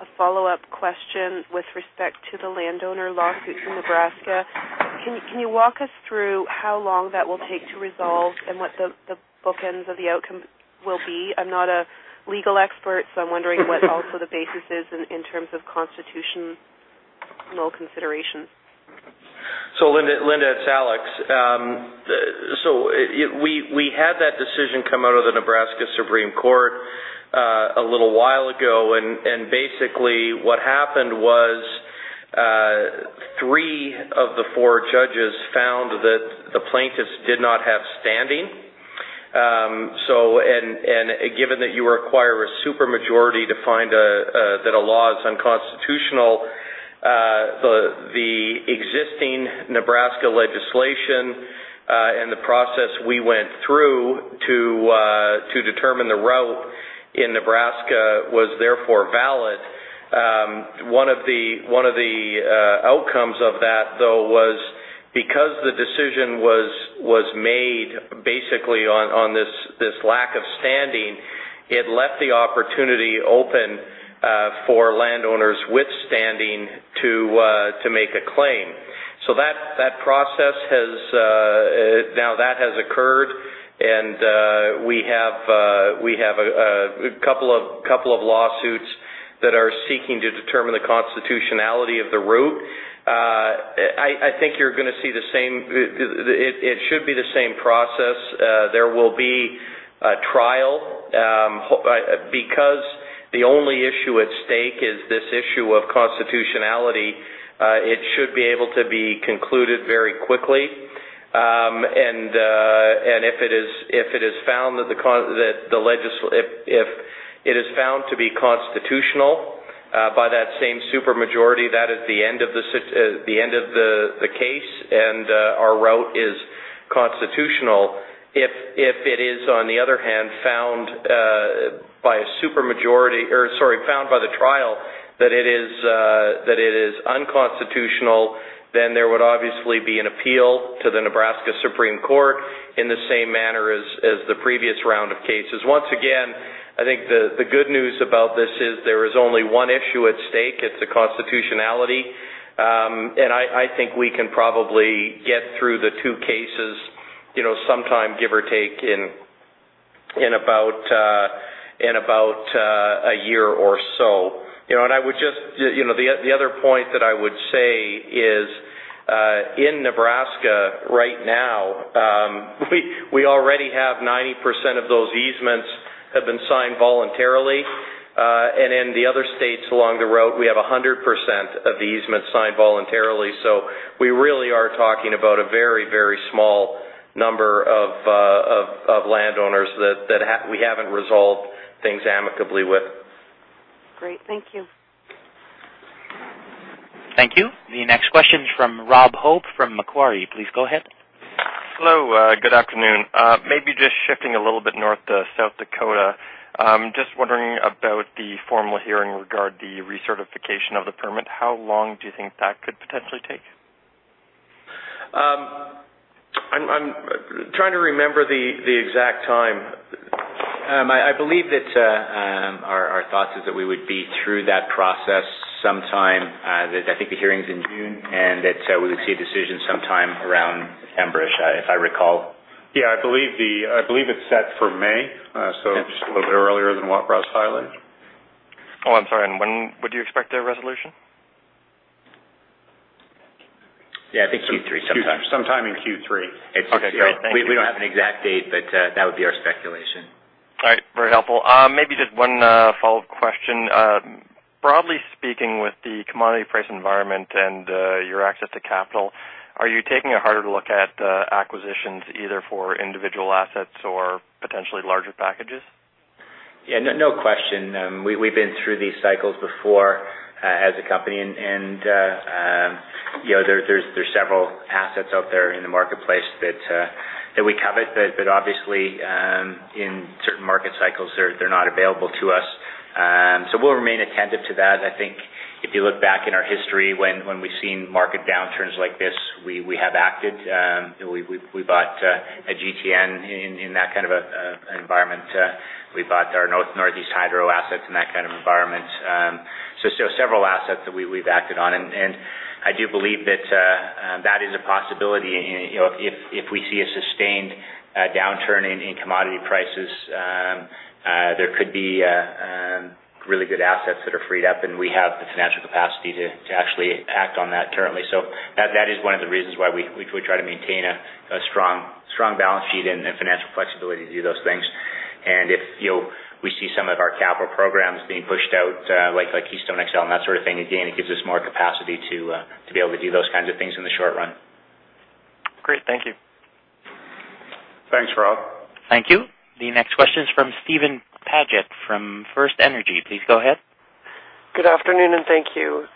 a follow-up question with respect to the landowner lawsuit in Nebraska. Can you walk us through how long that will take to resolve and what the bookends of the outcome will be? I'm not a legal expert, so I'm wondering what also the basis is in terms of constitutional considerations. Linda, it's Alex. We had that decision come out of the Nebraska Supreme Court a little while ago. Basically, what happened was, three of the four judges found that the plaintiffs did not have standing. Given that you require a super majority to find that a law is unconstitutional, the existing Nebraska legislation and the process we went through to determine the route in Nebraska was therefore valid. One of the outcomes of that, though, was because the decision was made basically on this lack of standing, it left the opportunity open for landowners with standing to make a claim. That process has now occurred, and we have a couple of lawsuits that are seeking to determine the constitutionality of the route. I think you're going to see the same. It should be the same process. There will be a trial. Because the only issue at stake is this issue of constitutionality, it should be able to be concluded very quickly. If it is found to be constitutional by that same super majority, that is the end of the case, and our route is constitutional. If it is, on the other hand, found by the trial that it is unconstitutional, then there would obviously be an appeal to the Nebraska Supreme Court in the same manner as the previous round of cases. Once again, I think the good news about this is there is only one issue at stake. It's the constitutionality. I think we can probably get through the two cases, sometime, give or take, in about a year or so. The other point that I would say is, in Nebraska right now, we already have 90% of those easements have been signed voluntarily. In the other states along the route, we have 100% of the easements signed voluntarily. We really are talking about a very, very small number of landowners that we haven't resolved things amicably with. Great. Thank you. Thank you. The next question is from Rob Hope from Macquarie. Please go ahead. Hello. Good afternoon. Maybe just shifting a little bit North to South Dakota. Just wondering about the formal hearing regarding the recertification of the permit. How long do you think that could potentially take? I'm trying to remember the exact time. I believe that our thoughts is that we would be through that process sometime, I think the hearing's in June, and that we would see a decision sometime around September-ish, if I recall. Yeah, I believe it's set for May. Just a little bit earlier than what Russ highlighted. Oh, I'm sorry. When would you expect a resolution? Yeah, I think Q3 sometime. Sometime in Q3. Okay, great. Thank you. We don't have an exact date, but that would be our speculation. All right. Very helpful. Maybe just one follow-up question. Broadly speaking, with the commodity price environment and your access to capital, are you taking a harder look at acquisitions, either for individual assets or potentially larger packages? Yeah. No question. We've been through these cycles before as a company, and there's several assets out there in the marketplace that we covet. Obviously, in certain market cycles, they're not available to us. We'll remain attentive to that. I think if you look back in our history when we've seen market downturns like this, we have acted. We bought GTN in that kind of an environment. We bought our Northeast hydro assets in that kind of an environment. Several assets that we've acted on. I do believe that is a possibility. If we see a sustained downturn in commodity prices, there could be really good assets that are freed up, and we have the financial capacity to actually act on that currently. That is one of the reasons why we try to maintain a strong balance sheet and financial flexibility to do those things. If we see some of our capital programs being pushed out like Keystone XL and that sort of thing, again, it gives us more capacity to be able to do those kinds of things in the short run. Great. Thank you. Thanks, Rob. Thank you. The next question is from Steven Paget from FirstEnergy Capital. Please go ahead. Good afternoon, and thank you.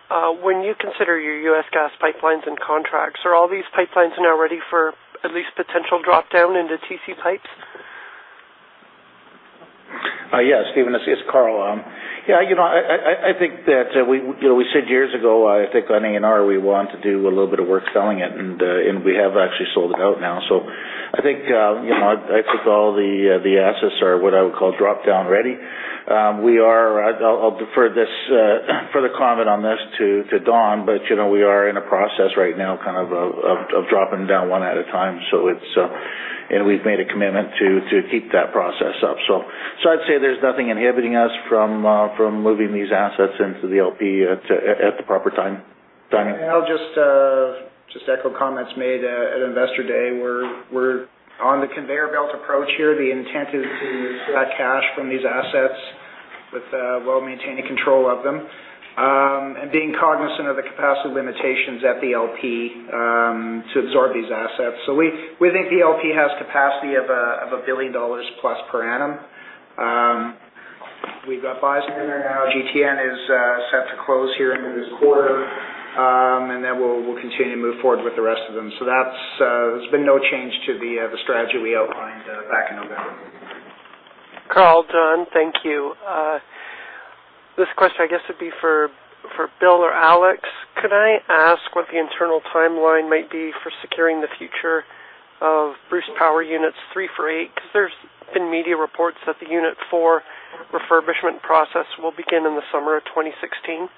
When you consider your U.S. gas pipelines and contracts, are all these pipelines now ready for at least potential drop-down into TC PipeLines? Yes, Steven, this is Karl. I think that we said years ago, I think on ANR, we want to do a little bit of work selling it, and we have actually sold it out now. I think all the assets are what I would call drop-down ready. I'll defer this further comment on this to Don, but we are in a process right now of dropping down one at a time. We've made a commitment to keep that process up. I'd say there's nothing inhibiting us from moving these assets into the LP at the proper time. Don? I'll just echo comments made at Investor Day. We're on the conveyor belt approach here. The intent is to extract cash from these assets while maintaining control of them, and being cognizant of the capacity limitations at the LP to absorb these assets. We think the LP has capacity of $1 billion plus per annum. We've got Bison now. GTN is set to close here end of this quarter. Then we'll continue to move forward with the rest of them. There's been no change to the strategy we outlined back in November. Karl, Don, thank you. This question, I guess, would be for Bill or Alex. Could I ask what the internal timeline might be for securing the future of Bruce Power Units 3 through 8? Because there's been media reports that the Unit 4 refurbishment process will begin in the summer of 2016.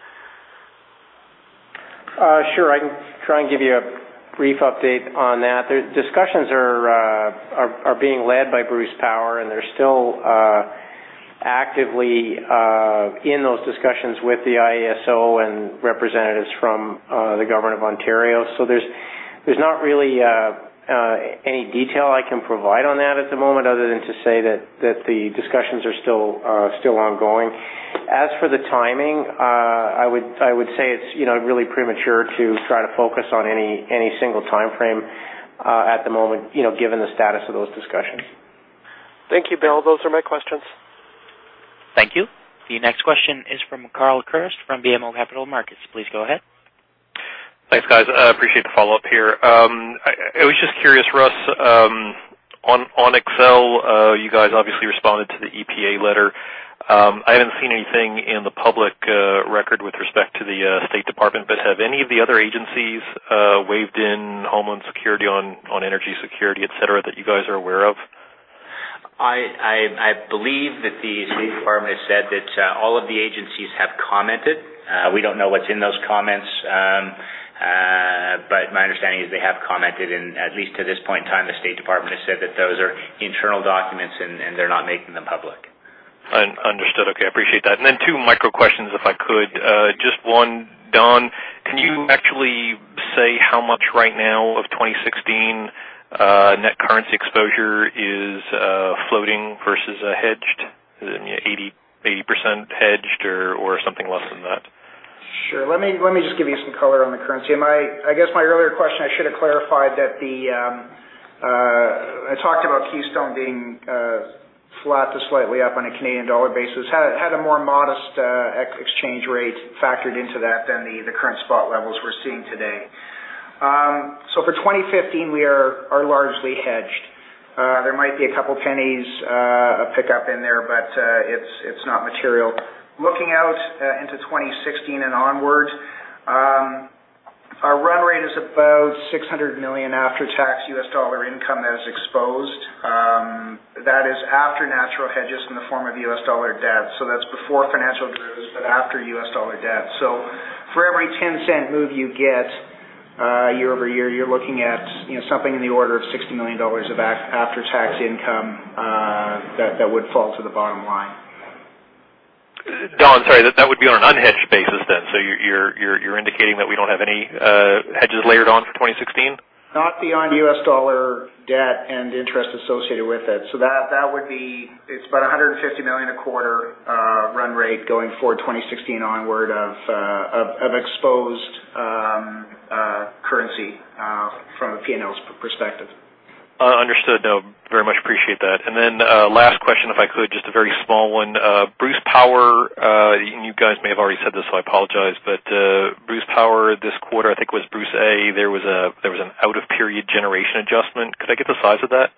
Sure. I can try and give you a brief update on that. The discussions are being led by Bruce Power, and they're still actively in those discussions with the IESO and representatives from the Government of Ontario. There's not really any detail I can provide on that at the moment other than to say that the discussions are still ongoing. As for the timing, I would say it's really premature to try to focus on any single timeframe at the moment, given the status of those discussions. Thank you, Bill. Those are my questions. Thank you. The next question is from Karl Kirst from BMO Capital Markets. Please go ahead. Thanks, guys. I appreciate the follow-up here. I was just curious, Russ, on XL. You guys obviously responded to the EPA letter. I haven't seen anything in the public record with respect to the State Department, but have any of the other agencies weighed in, Homeland Security on energy security, et cetera, that you guys are aware of? I believe that the State Department has said that all of the agencies have commented. We don't know what's in those comments, but my understanding is they have commented, and at least to this point in time, the State Department has said that those are internal documents, and they're not making them public. Understood. Okay. I appreciate that. Two micro questions, if I could. Just one, Don, can you actually say how much right now of 2016 net currency exposure is floating versus hedged? Is it 80% hedged or something less than that? Sure. Let me just give you some color on the currency. I guess my earlier question, I should have clarified that I talked about Keystone being flat to slightly up on a Canadian dollar basis, had a more modest exchange rate factored into that than the current spot levels we're seeing today. For 2015, we are largely hedged. There might be a couple pennies of pick-up in there, but it's not material. Looking out into 2016 and onward, our run rate is about $600 million after-tax U.S. dollar income that is exposed. That is after natural hedges in the form of U.S. dollar debt. That's before financial derivatives, but after U.S. dollar debt. For every $0.10 move you get year-over-year, you're looking at something in the order of $60 million of after-tax income that would fall to the bottom line. Don, sorry, that would be on an unhedged basis then. You're indicating that we don't have any hedges layered on for 2016? Not beyond U.S. dollar debt and interest associated with it. That would be, it's about $150 million a quarter run rate going forward 2016 onward of exposed currency from a P&L perspective. Understood. No, I very much appreciate that. Last question, if I could, just a very small one. Bruce Power, and you guys may have already said this, so I apologize, but Bruce Power this quarter, I think it was Bruce A, there was an out-of-period generation adjustment. Could I get the size of that?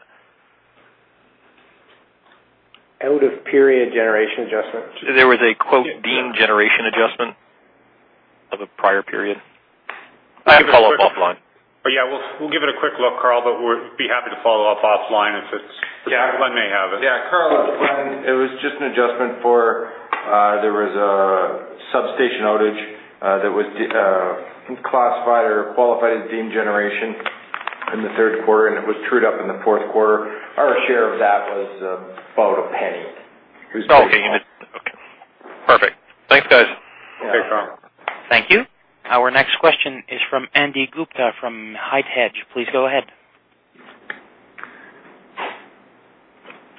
Out-of-period generation adjustment? There was a quote, "deemed generation adjustment of a prior period." I can follow up offline. We'll give it a quick look, Karl, but we'll be happy to follow up offline if it's. Yeah. Glenn may have it. Yeah. Karl, it was just an adjustment for there was a substation outage that was, I think, classified or qualified as deemed generation in the third quarter, and it was trued up in the fourth quarter. Our share of that was about $0.01. Okay. Perfect. Thanks, guys. Yeah. Thanks, Karl. Thank you. Our next question is from Andy Gupta from HITE Hedge. Please go ahead.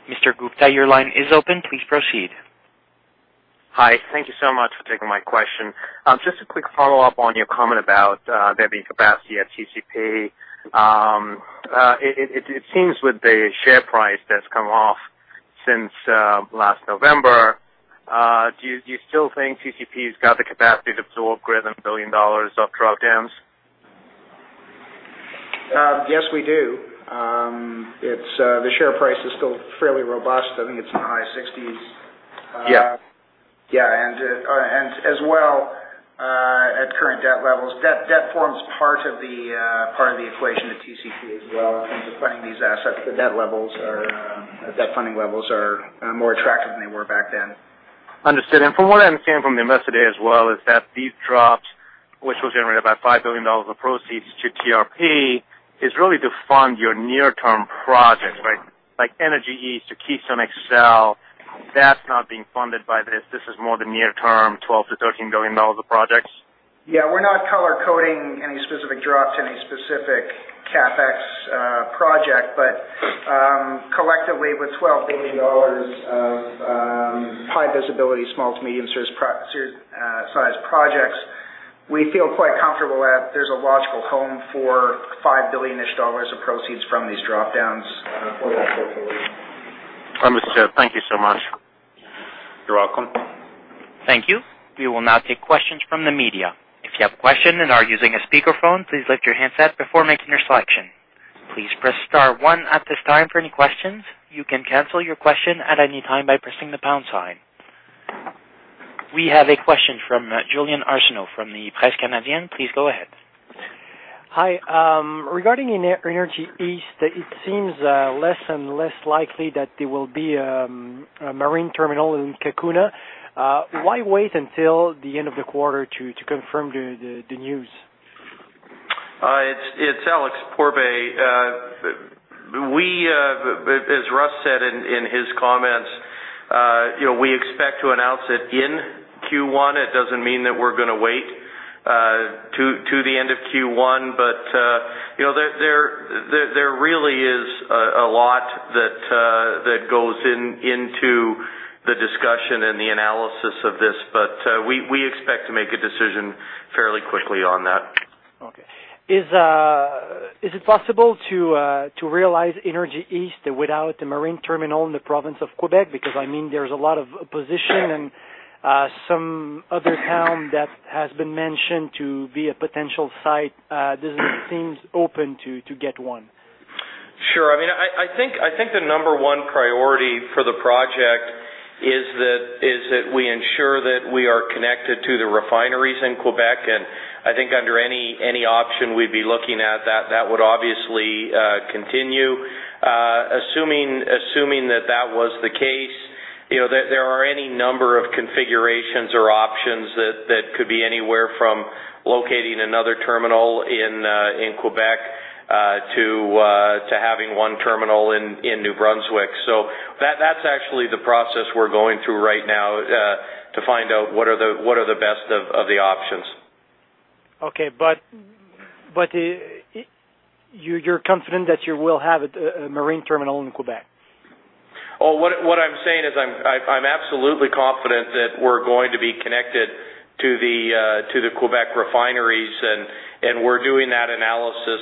Mr. Gupta, your line is open. Please proceed. Hi. Thank you so much for taking my question. Just a quick follow-up on your comment about there being capacity at TCP. It seems with the share price that's come off since last November, do you still think TCP's got the capacity to absorb greater than $1 billion of drop-downs? Yes, we do. The share price is still fairly robust. I think it's in the high sixties. Yeah. Yeah. As well, at current debt levels, debt forms part of the equation at TCP as well in terms of buying these assets. The debt funding levels are more attractive than they were back then. Understood. From what I'm seeing from the investor day as well, is that these drops, which will generate about $5 billion of proceeds to TRP, is really to fund your near-term projects, right? Like Energy East to Keystone XL. That's not being funded by this. This is more the near term, $12 billion-$13 billion of projects. Yeah. We're not color-coding any specific drops, any specific CapEx project. Collectively, with $12 billion of high visibility, small to medium-sized projects, we feel quite comfortable that there's a logical home for $5 billion-ish of proceeds from these drop-downs for that portfolio. Understood. Thank you so much. You're welcome. Thank you. We will now take questions from the media. If you have a question and are using a speakerphone, please lift your handset before making your selection. Please press star one at this time for any questions. You can cancel your question at any time by pressing the pound sign. We have a question from Julien Arsenault from La Presse Canadienne. Please go ahead. Hi. Regarding Energy East, it seems less and less likely that there will be a marine terminal in Cacouna. Why wait until the end of the quarter to confirm the news? It's Alex Pourbaix. As Russ said in his comments, we expect to announce it in Q1. It doesn't mean that we're going to wait to the end of Q1. There really is a lot that goes into the discussion and the analysis of this, but we expect to make a decision fairly quickly on that. Okay. Is it possible to realize Energy East without the marine terminal in the province of Quebec? Because, I mean, there's a lot of opposition and some other town that has been mentioned to be a potential site. Does it seem open to get one? Sure. I think the number one priority for the project is that we ensure that we are connected to the refineries in Quebec, and I think under any option we'd be looking at, that would obviously continue. Assuming that was the case, there are any number of configurations or options that could be anywhere from locating another terminal in Quebec to having one terminal in New Brunswick. That's actually the process we're going through right now, to find out what are the best of the options. Okay. You're confident that you will have a marine terminal in Quebec? What I'm saying is I'm absolutely confident that we're going to be connected to the Quebec refineries, and we're doing that analysis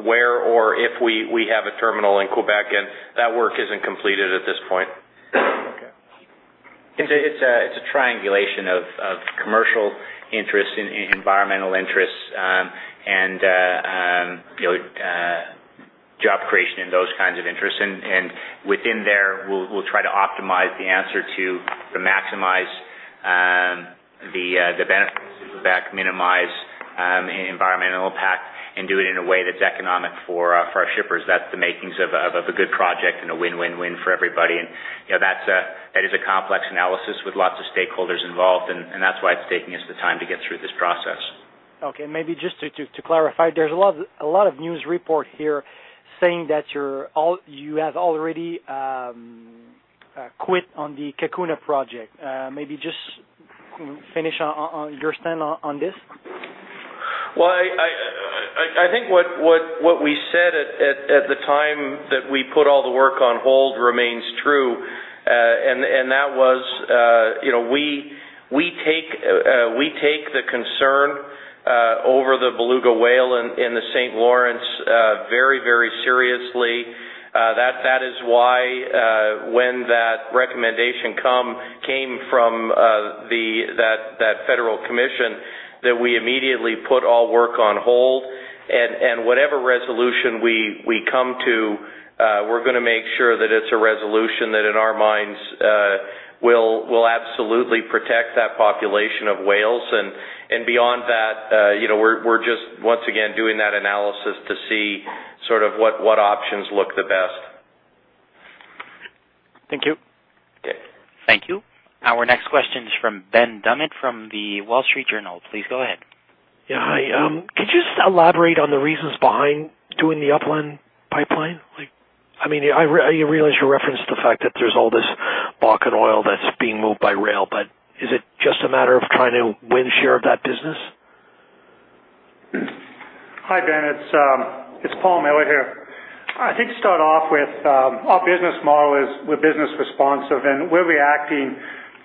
of where or if we have a terminal in Quebec, and that work isn't completed at this point. Okay. It's a triangulation of commercial interests and environmental interests, and job creation and those kinds of interests. Within there, we'll try to optimize the answer to maximize the benefits of that, minimize environmental impact, and do it in a way that's economic for our shippers. That's the makings of a good project and a win-win-win for everybody. That is a complex analysis with lots of stakeholders involved, and that's why it's taking us the time to get through this process. Okay, maybe just to clarify, there's a lot of news report here saying that you have already quit on the Cacouna project. Maybe just finish on your stand on this. Well, I think what we said at the time that we put all the work on hold remains true. That was, we take the concern over the beluga whale in the Saint Lawrence very, very seriously. That is why, when that recommendation came from that federal commission, that we immediately put all work on hold. Whatever resolution we come to, we're going to make sure that it's a resolution that in our minds- We'll absolutely protect that population of whales. Beyond that, we're just, once again, doing that analysis to see sort of what options look the best. Thank you. Okay. Thank you. Our next question is from Ben Dummett from The Wall Street Journal. Please go ahead. Yeah. Hi. Could you just elaborate on the reasons behind doing the Upland Pipeline? I realize you referenced the fact that there's all this Bakken oil that's being moved by rail, but is it just a matter of trying to win share of that business? Hi, Ben. It's Paul Miller here. I think to start off with, our business model is we're business responsive, and we're reacting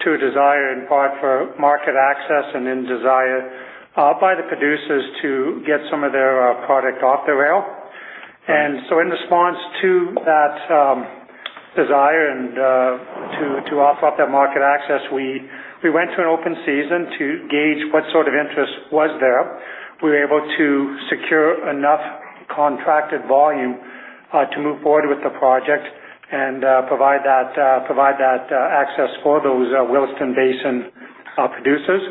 to a desire in part for market access and a desire by the producers to get some of their product off the rail. In response to that desire and to offer up that market access, we went to an open season to gauge what sort of interest was there. We were able to secure enough contracted volume to move forward with the project and provide that access for those Williston Basin producers.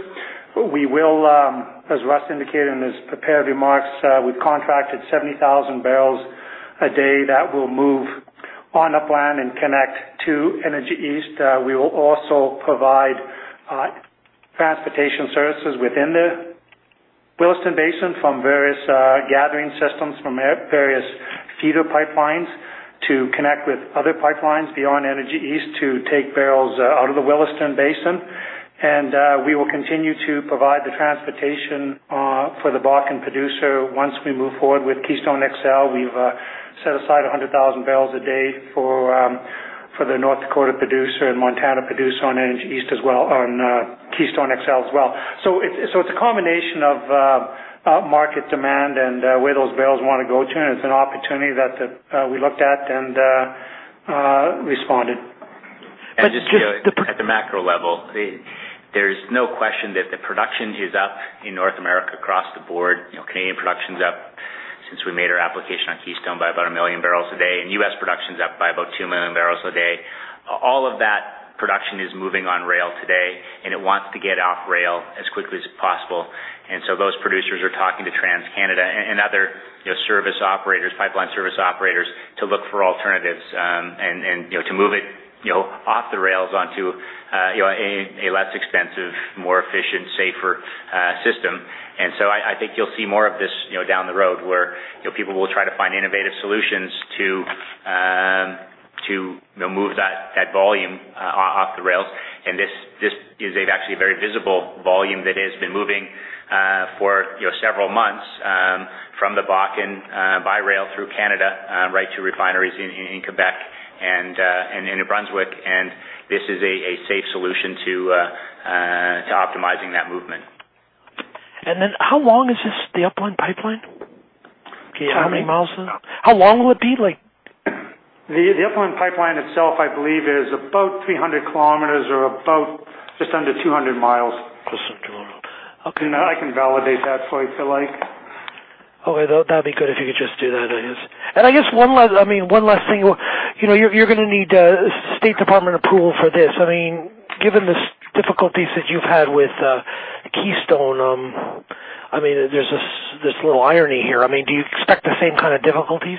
We have, as Russ indicated in his prepared remarks, we've contracted 70,000 bbl a day that will move on Upland and connect to Energy East. We will also provide transportation services within the Williston Basin from various gathering systems, from various feeder pipelines to connect with other pipelines beyond Energy East to take barrels out of the Williston Basin. We will continue to provide the transportation for the Bakken producer once we move forward with Keystone XL. We've set aside 100,000 bbl a day for the North Dakota producer and Montana producer on Energy East as well, on Keystone XL as well. It's a combination of market demand and where those barrels want to go to, and it's an opportunity that we looked at and responded. But just the- At the macro level, there's no question that the production is up in North America across the board. Canadian production's up since we made our application on Keystone by about 1 MMbpd, and U.S. production's up by about 2 MMbpd. All of that production is moving on rail today, and it wants to get off rail as quickly as possible. Those producers are talking to TransCanada and other service operators, pipeline service operators, to look for alternatives, and to move it off the rails onto a less expensive, more efficient, safer system. I think you'll see more of this down the road where people will try to find innovative solutions to move that volume off the rails. This is actually a very visible volume that has been moving for several months from the Bakken by rail through Canada right to refineries in Quebec and in New Brunswick, and this is a safe solution to optimizing that movement. How long is this, the Upland Pipeline? Yeah. How many miles is it? How long will it be? The Upland Pipeline itself, I believe, is about 300 km or about just under 200 mi. Close to 200 mi. Okay. I can validate that for you, if you like. Okay. That'd be good if you could just do that, I guess. I guess one last thing. You're going to need a State Department approval for this. Given the difficulties that you've had with Keystone, there's this little irony here. Do you expect the same kind of difficulties?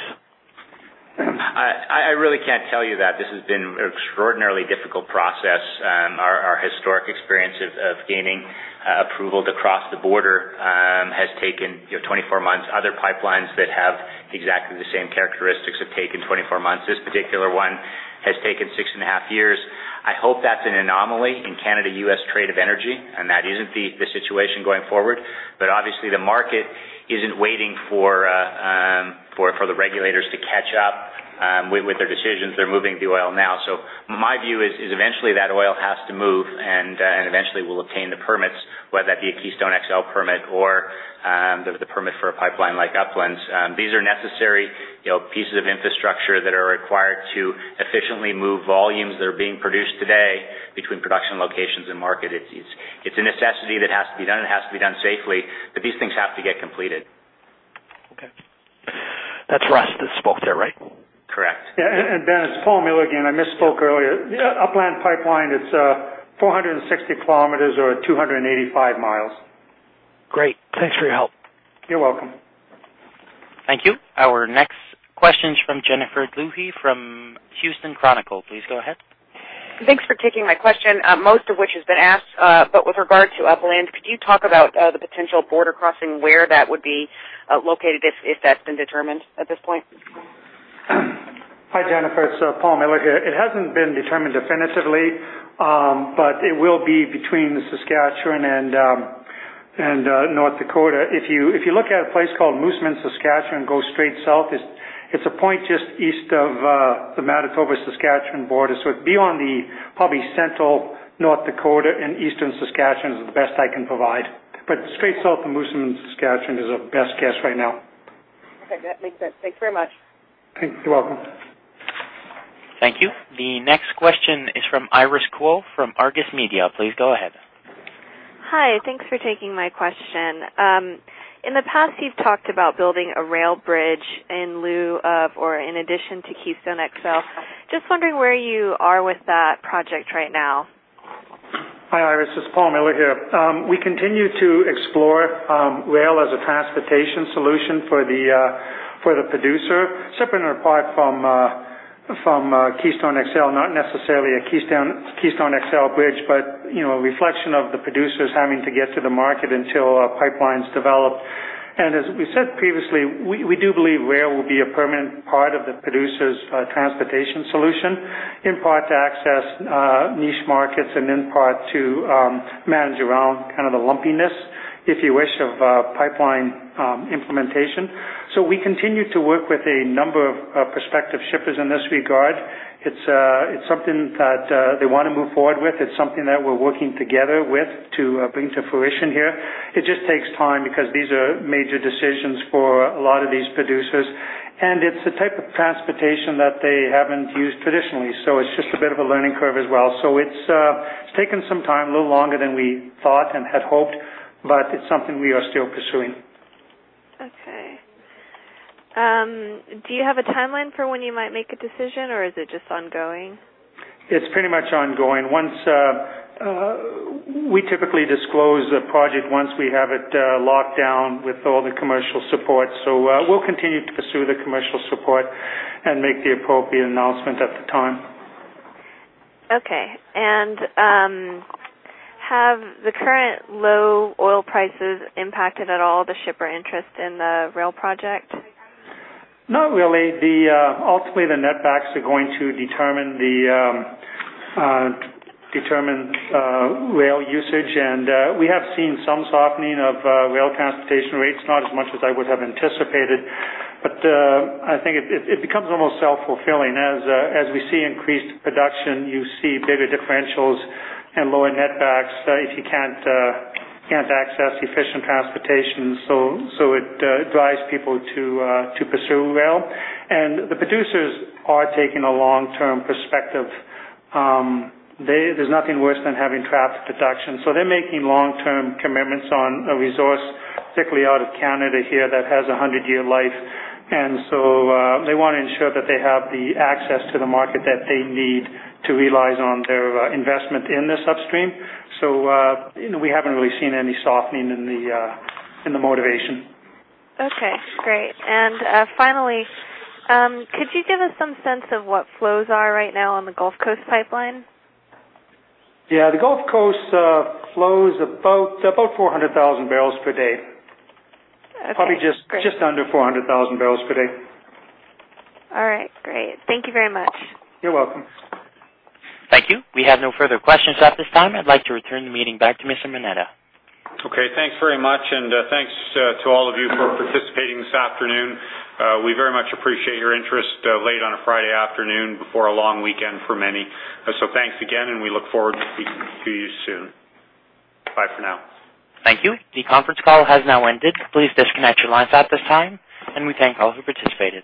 I really can't tell you that. This has been an extraordinarily difficult process. Our historic experience of gaining approval to cross the border has taken 24 months. Other pipelines that have exactly the same characteristics have taken 24 months. This particular one has taken 6.5 years. I hope that's an anomaly in Canada-U.S. trade of energy, and that isn't the situation going forward. Obviously, the market isn't waiting for the regulators to catch up with their decisions. They're moving the oil now. My view is eventually that oil has to move, and eventually we'll obtain the permits, whether that be a Keystone XL permit or the permit for a pipeline like Upland's. These are necessary pieces of infrastructure that are required to efficiently move volumes that are being produced today between production locations and market. It's a necessity that has to be done. It has to be done safely, but these things have to get completed. Okay. That's Russ that spoke there, right? Correct. Yeah. Ben, it's Paul Miller again. I misspoke earlier. Upland Pipeline, it's 460 km or 285 mi. Great. Thanks for your help. You're welcome. Thank you. Our next question is from Jennifer Hiller from Houston Chronicle. Please go ahead. Thanks for taking my question, most of which has been asked. With regard to Upland, could you talk about the potential border crossing, where that would be located, if that's been determined at this point? Hi, Jennifer. It's Paul Miller here. It hasn't been determined definitively, but it will be between Saskatchewan and North Dakota. If you look at a place called Moosomin, Saskatchewan, go straight south, it's a point just east of the Manitoba-Saskatchewan border. It'd be on the probably central North Dakota and eastern Saskatchewan is the best I can provide. Straight south of Moosomin, Saskatchewan, is our best guess right now. Okay, that makes sense. Thanks very much. You're welcome. Thank you. The next question is from Iris Kuo from Argus Media. Please go ahead. Hi. Thanks for taking my question. In the past, you've talked about building a rail bridge in lieu of or in addition to Keystone XL. Just wondering where you are with that project right now. Hi, Iris, this is Paul Miller here. We continue to explore rail as a transportation solution for the producer, separate and apart from Keystone XL, not necessarily a Keystone XL bridge, but a reflection of the producers having to get to the market until a pipeline's developed. As we said previously, we do believe rail will be a permanent part of the producer's transportation solution, in part to access niche markets and in part to manage around kind of the lumpiness, if you wish, of pipeline implementation. We continue to work with a number of prospective shippers in this regard. It's something that they want to move forward with. It's something that we're working together with to bring to fruition here. It just takes time because these are major decisions for a lot of these producers, and it's the type of transportation that they haven't used traditionally. It's just a bit of a learning curve as well. It's taken some time, a little longer than we thought and had hoped, but it's something we are still pursuing. Okay. Do you have a timeline for when you might make a decision, or is it just ongoing? It's pretty much ongoing. We typically disclose a project once we have it locked down with all the commercial support. We'll continue to pursue the commercial support and make the appropriate announcement at the time. Okay. Have the current low oil prices impacted at all the shipper interest in the rail project? Not really. Ultimately, the netbacks are going to determine rail usage, and we have seen some softening of rail transportation rates, not as much as I would have anticipated. I think it becomes almost self-fulfilling. As we see increased production, you see bigger differentials and lower netbacks if you can't access efficient transportation. It drives people to pursue rail. The producers are taking a long-term perspective. There's nothing worse than having trapped production. They're making long-term commitments on a resource, particularly out of Canada here, that has 100-year life. They want to ensure that they have the access to the market that they need to realize on their investment in the upstream. We haven't really seen any softening in the motivation. Okay, great. Finally, could you give us some sense of what flows are right now on the Gulf Coast Pipeline? Yeah. The Gulf Coast flows about 400,000 bbl per day. Okay, great. Probably just under 400,000 bbl per day. All right, great. Thank you very much. You're welcome. Thank you. We have no further questions at this time. I'd like to return the meeting back to Mr. Moneta. Okay, thanks very much, and thanks to all of you for participating this afternoon. We very much appreciate your interest late on a Friday afternoon before a long weekend for many. Thanks again, and we look forward to speaking to you soon. Bye for now. Thank you. The conference call has now ended. Please disconnect your lines at this time, and we thank all who participated.